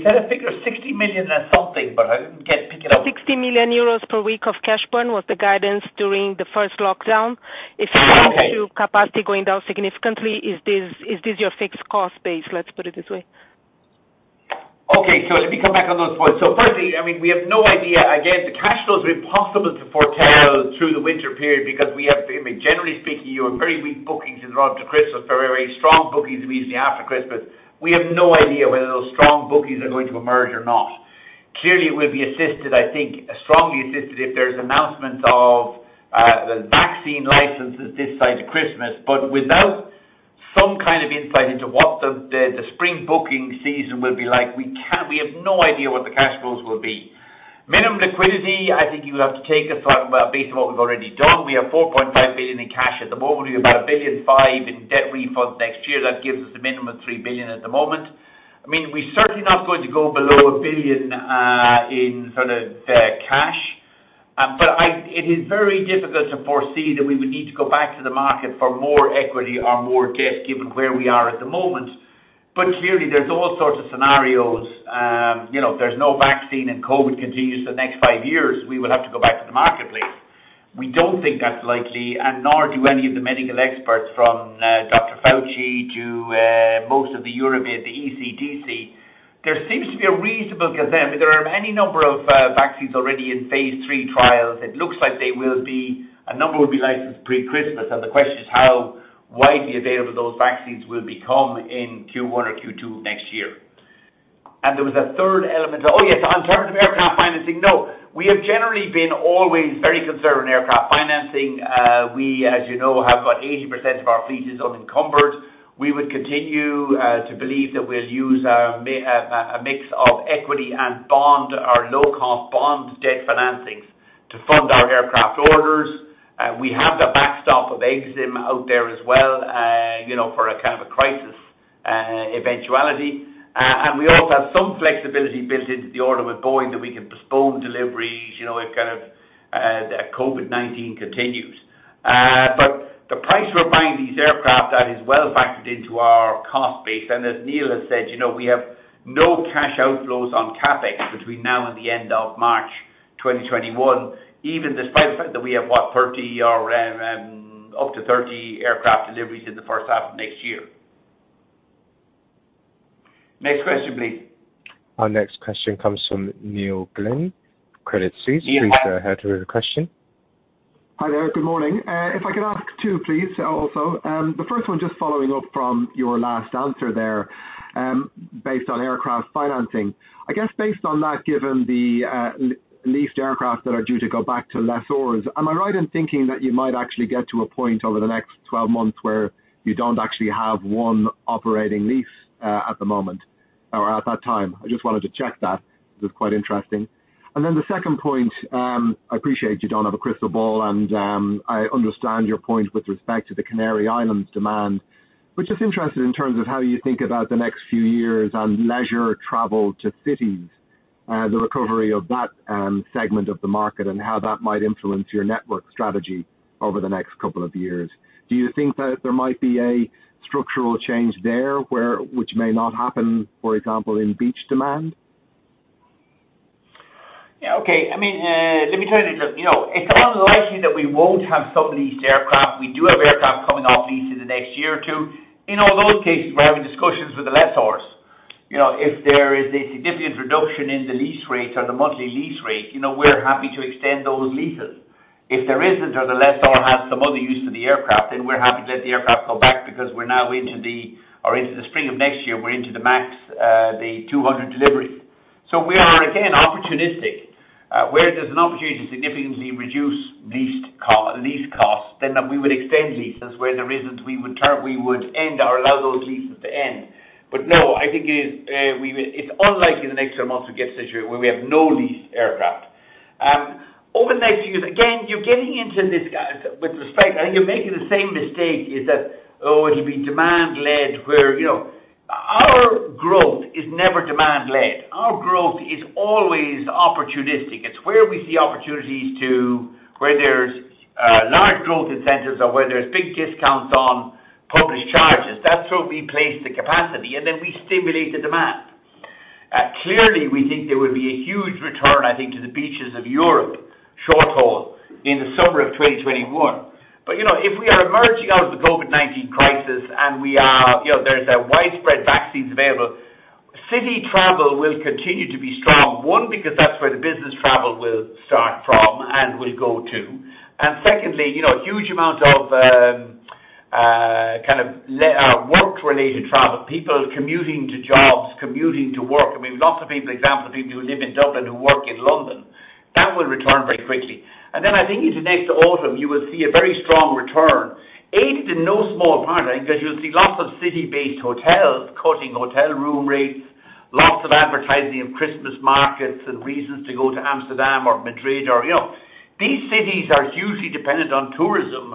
said a figure of 60 million and something, but I didn't pick it up. 60 million euros per week of cash burn was the guidance during the first lockdown. Oh, okay. If you go into capacity going down significantly, is this your fixed cost base? Let's put it this way. Okay. Let me come back on those points. Firstly, we have no idea. Again, the cash flow is impossible to foretell through the winter period because we have, generally speaking, you have very weak bookings in the run up to Christmas, very strong bookings usually after Christmas. We have no idea whether those strong bookings are going to emerge or not. Clearly, we'll be assisted, I think, strongly assisted if there's announcements of the vaccine licenses this side of Christmas. Without some kind of insight into what the spring booking season will be like, we have no idea what the cash flows will be. Minimum liquidity, I think you have to take a thought about based on what we've already done. We have 4.5 billion in cash at the moment. We have about 1.5 billion in debt refunds next year. That gives us a minimum of 3 billion at the moment. We're certainly not going to go below 1 billion in sort of cash. It is very difficult to foresee that we would need to go back to the market for more equity or more debt, given where we are at the moment. Clearly, there's all sorts of scenarios. If there's no vaccine and COVID continues the next five years, we will have to go back to the marketplace. We don't think that's likely, and nor do any of the medical experts, from Dr. Fauci to most of the Europe, the ECDC. There seems to be a reasonable gazette. There are any number of vaccines already in phase III trials. It looks like a number will be licensed pre-Christmas. The question is how widely available those vaccines will become in Q1 or Q2 next year. There was a third element. Oh, yes, on alternative aircraft financing. No. We have generally been always very conservative in aircraft financing. We, as you know, have about 80% of our fleet is unencumbered. We would continue to believe that we'll use a mix of equity and bond or low-cost bond debt financings to fund our aircraft orders. We have the backstop of EXIM out there as well, for a kind of a crisis eventuality. We also have some flexibility built into the order with Boeing that we can postpone deliveries if kind of COVID-19 continues. The price we're buying these aircraft at is well factored into our cost base. As Neil has said, we have no cash outflows on CapEx between now and the end of March 2021, even despite the fact that we have, what, 30 or up to 30 aircraft deliveries in the first half of next year. Next question, please. Our next question comes from Neil Glynn, Credit Suisse. Neil, hi. Please go ahead with your question. Hi there. Good morning. If I can ask two, please, also. The first one, just following up from your last answer there based on aircraft financing. I guess based on that, given the leased aircraft that are due to go back to lessors, am I right in thinking that you might actually get to a point over the next 12 months where you don't actually have one operating lease at the moment or at that time? I just wanted to check that. This is quite interesting. The second point, I appreciate you don't have a crystal ball and I understand your point with respect to the Canary Islands demand. Just interested in terms of how you think about the next few years on leisure travel to cities, the recovery of that segment of the market and how that might influence your network strategy over the next couple of years. Do you think that there might be a structural change there which may not happen, for example, in beach demand? It's unlikely that we won't have some leased aircraft. We do have aircraft coming off lease in the next year or two. In all those cases, we're having discussions with the lessors. If there is a significant reduction in the lease rates or the monthly lease rate, we're happy to extend those leases. If there isn't or the lessor has some other use for the aircraft, we're happy to let the aircraft go back because we're now into the spring of next year, we're into the MAX 200 delivery. We are, again, opportunistic. Where there's an opportunity to significantly reduce lease costs, we would extend leases. Where there isn't, we would end or allow those leases to end. No, I think it's unlikely in the next 12 months we'll get a situation where we have no leased aircraft. Over the next few years, again, you're getting into this with respect. I think you're making the same mistake is that it will be demand-led where our growth is never demand-led. Our growth is always opportunistic. It's where we see opportunities to where there's large growth incentives or where there's big discounts on published charges. That's where we place the capacity, and then we stimulate the demand. Clearly, we think there will be a huge return, I think, to the beaches of Europe short-haul in the summer of 2021. If we are emerging out of the COVID-19 crisis and there's a widespread vaccines available, city travel will continue to be strong. One, because that's where the business travel will start from and will go to. Secondly, a huge amount of kind of work-related travel, people commuting to jobs, commuting to work. We've lots of people, examples of people who live in Dublin who work in London. That will return very quickly. Then I think into next autumn, you will see a very strong return, aided in no small part, I think, as you'll see lots of city-based hotels cutting hotel room rates, lots of advertising of Christmas markets and reasons to go to Amsterdam or Madrid. These cities are hugely dependent on tourism.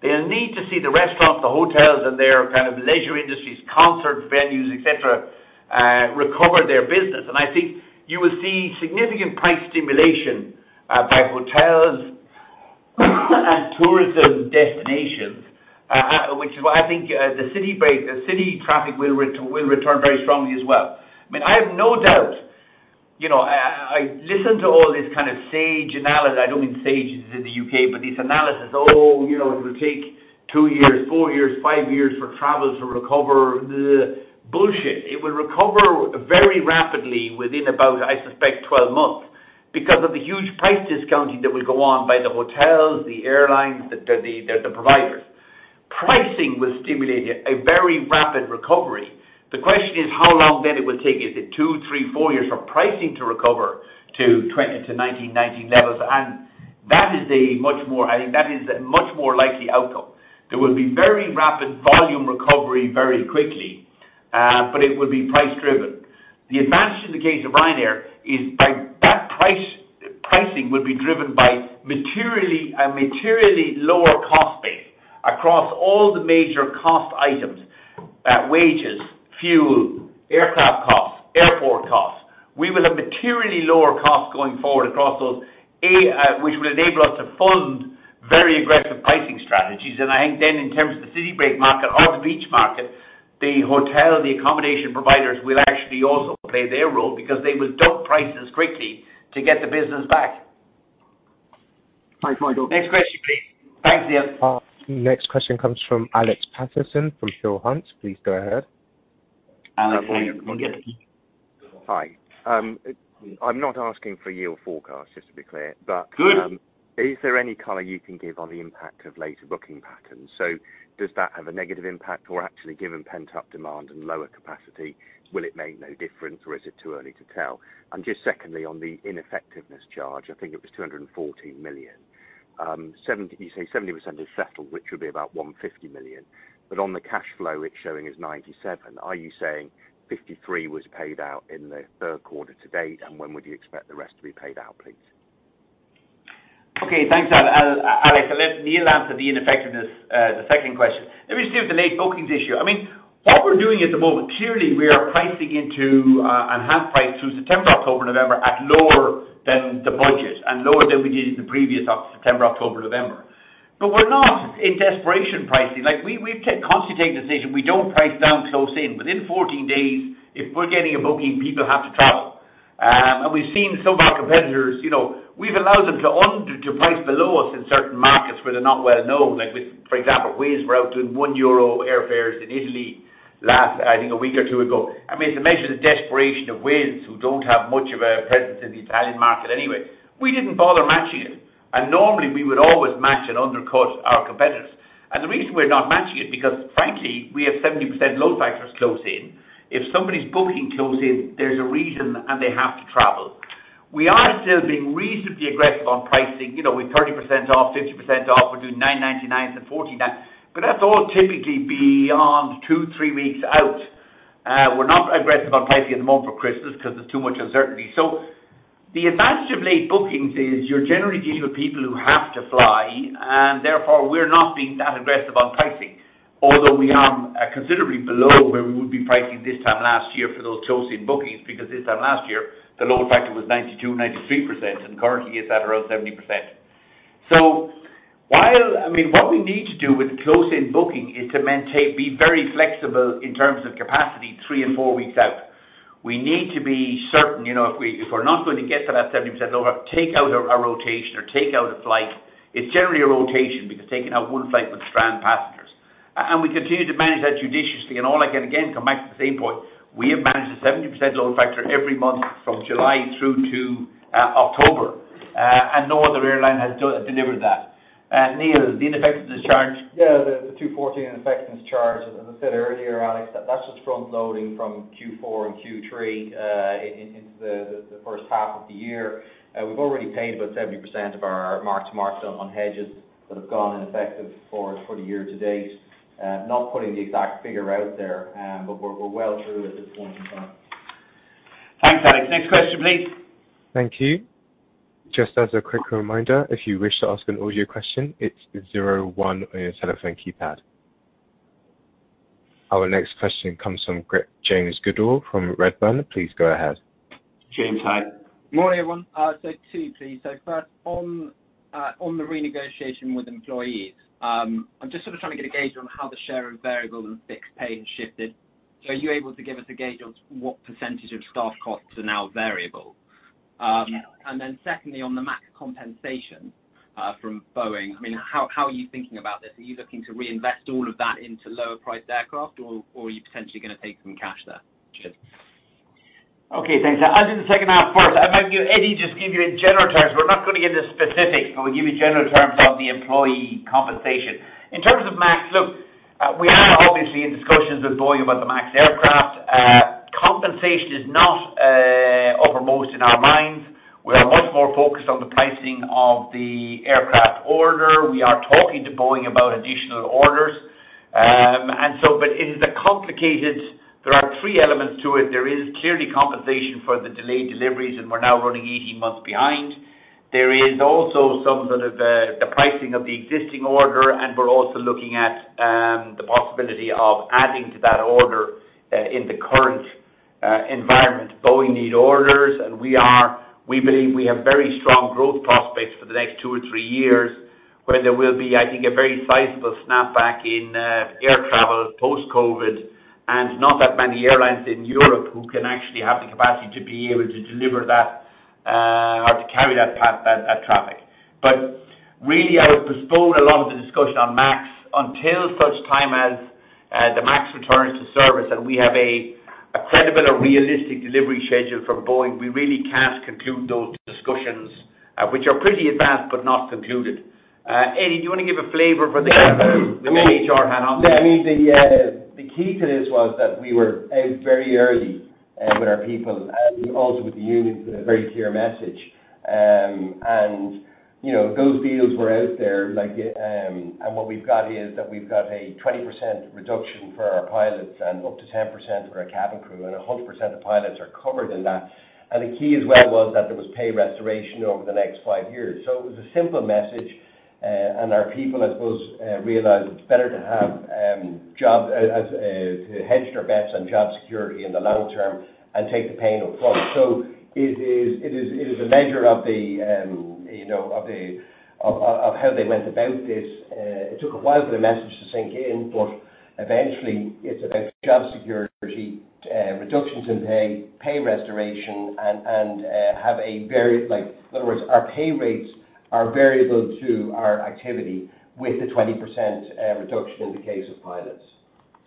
They'll need to see the restaurants, the hotels, and their kind of leisure industries, concert venues, et cetera, recover their business. I think you will see significant price stimulation by hotels and tourism destinations, which is why I think the city traffic will return very strongly as well. I have no doubt. I listen to all this kind of SAGE analysis. I don't mean SAGE in the U.K., these analysis, it'll take two years, four years, five years for travel to recover. Bullshit. It will recover very rapidly within about, I suspect, 12 months because of the huge price discounting that will go on by the hotels, the airlines, the providers. Pricing will stimulate a very rapid recovery. The question is how long then it will take. Is it two, three, four years for pricing to recover to 1990 levels? I think that is a much more likely outcome. There will be very rapid volume recovery very quickly, but it will be price driven. The advantage in the case of Ryanair is by that pricing will be driven by a materially lower cost base across all the major cost items: wages, fuel, aircraft costs, airport costs. We will have materially lower costs going forward across those, which will enable us to fund very aggressive pricing strategies. I think then in terms of the city break market or the beach market, the hotel, the accommodation providers will actually also play their role because they will dump prices quickly to get the business back. Thanks, Michael. Next question, please. Thanks, Neil. Next question comes from Alex Paterson from Peel Hunt. Please go ahead. Alex, hi. Hi. I'm not asking for a year forecast, just to be clear. Good Is there any color you can give on the impact of later booking patterns? Does that have a negative impact or actually given pent-up demand and lower capacity, will it make no difference or is it too early to tell? Just secondly, on the ineffectiveness charge, I think it was 214 million. You say 70% is settled, which would be about 150 million. On the cash flow it's showing as 97 million. Are you saying 53 million was paid out in the third quarter to date? When would you expect the rest to be paid out, please? Okay. Thanks, Alex. I'll let Neil answer the ineffectiveness, the second question. Let me just deal with the late bookings issue. What we're doing at the moment, clearly we are pricing into and half price through September, October, November at lower than the budget and lower than we did in the previous September, October, November. We're not in desperation pricing. We've constantly taken the decision. We don't price down close in. Within 14 days, if we're getting a booking, people have to travel. We've seen some of our competitors. We've allowed them to price below us in certain markets where they're not well known. Like with, for example, Wizz were out doing 1 euro airfares in Italy I think a week or two ago. It measures the desperation of Wizz who don't have much of a presence in the Italian market anyway. We didn't bother matching it, and normally we would always match and undercut our competitors. The reason we're not matching it, because frankly, we have 70% load factors close in. If somebody's booking close in, there's a reason and they have to travel. We are still being reasonably aggressive on pricing. We're 30% off, 50% off. We're doing 9.99 and 14.99. That's all typically beyond two, three weeks out. We're not aggressive on pricing at the moment for Christmas because there's too much uncertainty. The advantage of late bookings is you're generally dealing with people who have to fly, and therefore we're not being that aggressive on pricing. Although we are considerably below where we would be pricing this time last year for those close-in bookings, because this time last year, the load factor was 92%, 93%, and currently it's at around 70%. What we need to do with close in booking is to be very flexible in terms of capacity three and four weeks out. We need to be certain. If we're not going to get to that 70% load, take out a rotation or take out a flight. It's generally a rotation because taking out one flight would strand passengers. We continue to manage that judiciously. All I can again come back to the same point. We have managed a 70% load factor every month from July through to October, and no other airline has delivered that. Neil, the ineffectiveness charge. Yeah. The 214 million ineffectiveness charge, as I said earlier, Alex, that's just front-loading from Q4 and Q3 into the first half of the year. We've already paid about 70% of our mark-to-markets on hedges that have gone ineffective for the year to date. Not putting the exact figure out there, but we're well through at this point in time. Thanks, Alex. Next question please. Thank you. Just as a quick reminder, if you wish to ask an audio question, it is zero one on your telephone keypad. Our next question comes from James Goodall from Redburn. Please go ahead. James, hi. Morning, everyone. Two please. First on the renegotiation with employees. I am just sort of trying to get a gauge on how the share of variable and fixed pay has shifted. Are you able to give us a gauge on what percentage of staff costs are now variable? Secondly, on the MAX compensation from Boeing, how are you thinking about this? Are you looking to reinvest all of that into lower priced aircraft or are you potentially going to take some cash there? Cheers. Okay, thanks. I'll do the second half first. Maybe Eddie just give you in general terms. We're not going to give you specifics. I will give you general terms on the employee compensation. In terms of MAX, look, we are obviously in discussions with Boeing about the MAX aircraft. Compensation is not uppermost in our minds. We are much more focused on the pricing of the aircraft order. We are talking to Boeing about additional orders. It is complicated. There are three elements to it. There is clearly compensation for the delayed deliveries, and we're now running 18 months behind. There is also some sort of the pricing of the existing order, and we're also looking at the possibility of adding to that order in the current environment. Boeing need orders. We believe we have very strong growth prospects for the next two or three years where there will be, I think, a very sizable snapback in air travel post-COVID and not that many airlines in Europe who can actually have the capacity to be able to deliver that or to carry that traffic. Really I would postpone a lot of the discussion on MAX until such time as the MAX returns to service and we have a credible or realistic delivery schedule from Boeing. We really can't conclude those discussions, which are pretty advanced but not concluded. Eddie, do you want to give a flavor for the HR handoff? Yeah. The key to this was that we were out very early with our people and also with the unions with a very clear message. Those deals were out there, and what we've got is that we've got a 20% reduction for our pilots and up to 10% for our cabin crew, and 100% of pilots are covered in that. The key as well was that there was pay restoration over the next five years. It was a simple message, and our people, I suppose, realized it is better to hedge their bets on job security in the long term and take the pain upfront. It is a measure of how they went about this. It took a while for the message to sink in. Eventually it's about job security, reductions in pay restoration, and in other words, our pay rates are variable to our activity with the 20% reduction in the case of pilots.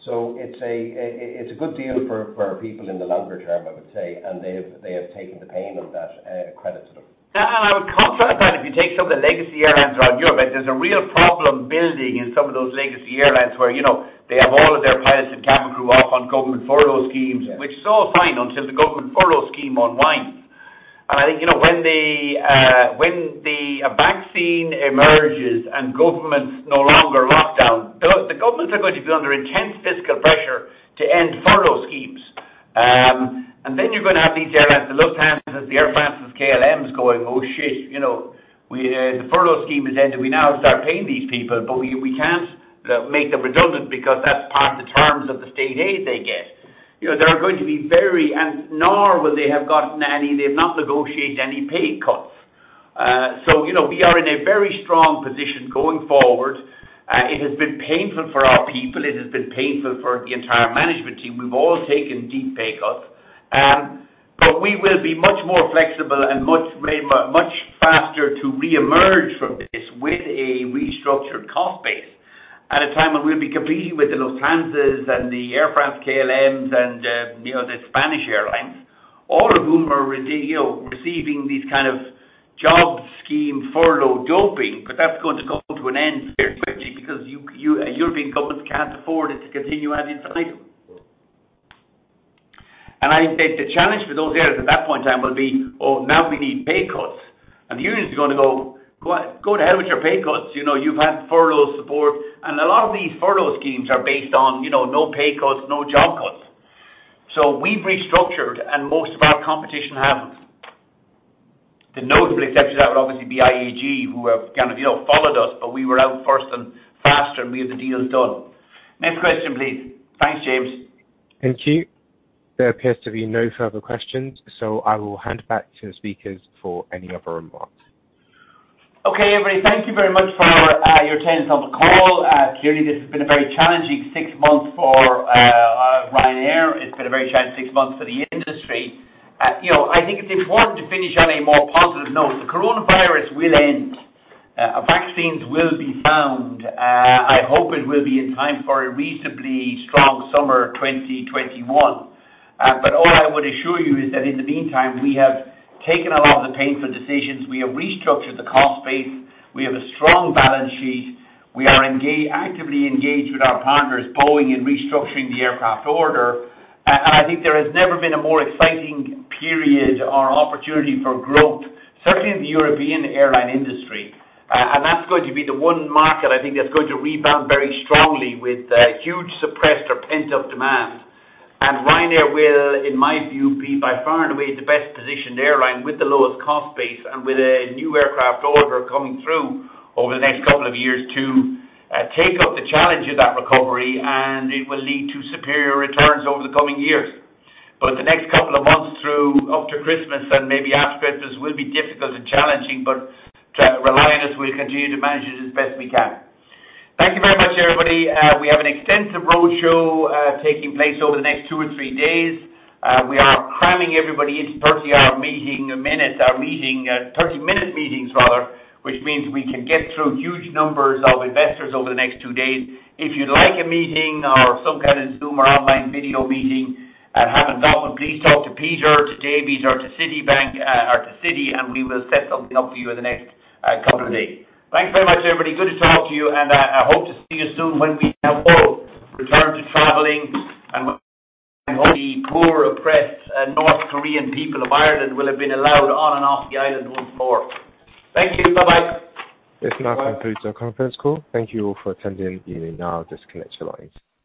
It's a good deal for our people in the longer term, I would say, and they have taken the pain of that. Credit to them. I would contrast that if you take some of the legacy airlines around Europe, there's a real problem building in some of those legacy airlines where they have all of their pilots and cabin crew off on government furlough schemes. Yeah. Which is all fine until the government furlough scheme unwinds. I think when the vaccine emerges and governments no longer lock down, the governments are going to be under intense fiscal pressure to end furlough schemes. Then you're going to have these airlines, the Lufthansas, the Air France-KLMs going, "Oh, shit." The furlough scheme has ended. We now have to start paying these people, but we can't make them redundant because that's part of the terms of the state aid they get. They've not negotiated any pay cuts. We are in a very strong position going forward. It has been painful for our people. It has been painful for the entire management team. We've all taken deep pay cuts. We will be much more flexible and much faster to reemerge from this with a restructured cost base at a time when we'll be competing with the Lufthansas and the Air France-KLMs and the Spanish airlines, all of whom are receiving these kind of job scheme furlough doping. That's going to come to an end very quickly because European governments can't afford it to continue ad infinitum. Sure. I think the challenge for those areas at that point in time will be, "Oh, now we need pay cuts." The unions are going to go, "Go to hell with your pay cuts. You've had furlough support." A lot of these furlough schemes are based on no pay cuts, no job cuts. We've restructured and most of our competition haven't. The notable exception to that would obviously be IAG, who have followed us, but we were out first and faster, and we have the deals done. Next question, please. Thanks, James. Thank you. There appears to be no further questions, so I will hand back to the speakers for any other remarks. Okay, everybody. Thank you very much for your attendance on the call. Clearly, this has been a very challenging six months for Ryanair. It's been a very challenging six months for the industry. I think it's important to finish on a more positive note. The coronavirus will end. Vaccines will be found. I hope it will be in time for a reasonably strong summer 2021. All I would assure you is that in the meantime, we have taken a lot of the painful decisions. We have restructured the cost base. We have a strong balance sheet. We are actively engaged with our partners, Boeing, in restructuring the aircraft order. I think there has never been a more exciting period or opportunity for growth, certainly in the European airline industry. That's going to be the one market I think that's going to rebound very strongly with huge suppressed or pent-up demand. Ryanair will, in my view, be by far and away the best-positioned airline with the lowest cost base and with a new aircraft order coming through over the next couple of years to take up the challenge of that recovery, and it will lead to superior returns over the coming years. The next couple of months through up to Christmas and maybe after Christmas will be difficult and challenging, but Ryanair, we'll continue to manage it as best we can. Thank you very much, everybody. We have an extensive road show taking place over the next two or three days. We are cramming everybody into 30-minute meetings, which means we can get through huge numbers of investors over the next two days. If you'd like a meeting or some kind of Zoom or online video meeting and haven't got one, please talk to Peter, to Davy, or to Citibank or to Citi, and we will set something up for you in the next couple of days. Thanks very much, everybody. Good to talk to you, and I hope to see you soon when we can all return to traveling and when the poor oppressed Norwegian people of Ireland will have been allowed on and off the island once more. Thank you. Bye-bye. This now concludes our conference call. Thank you all for attending. You may now disconnect your lines.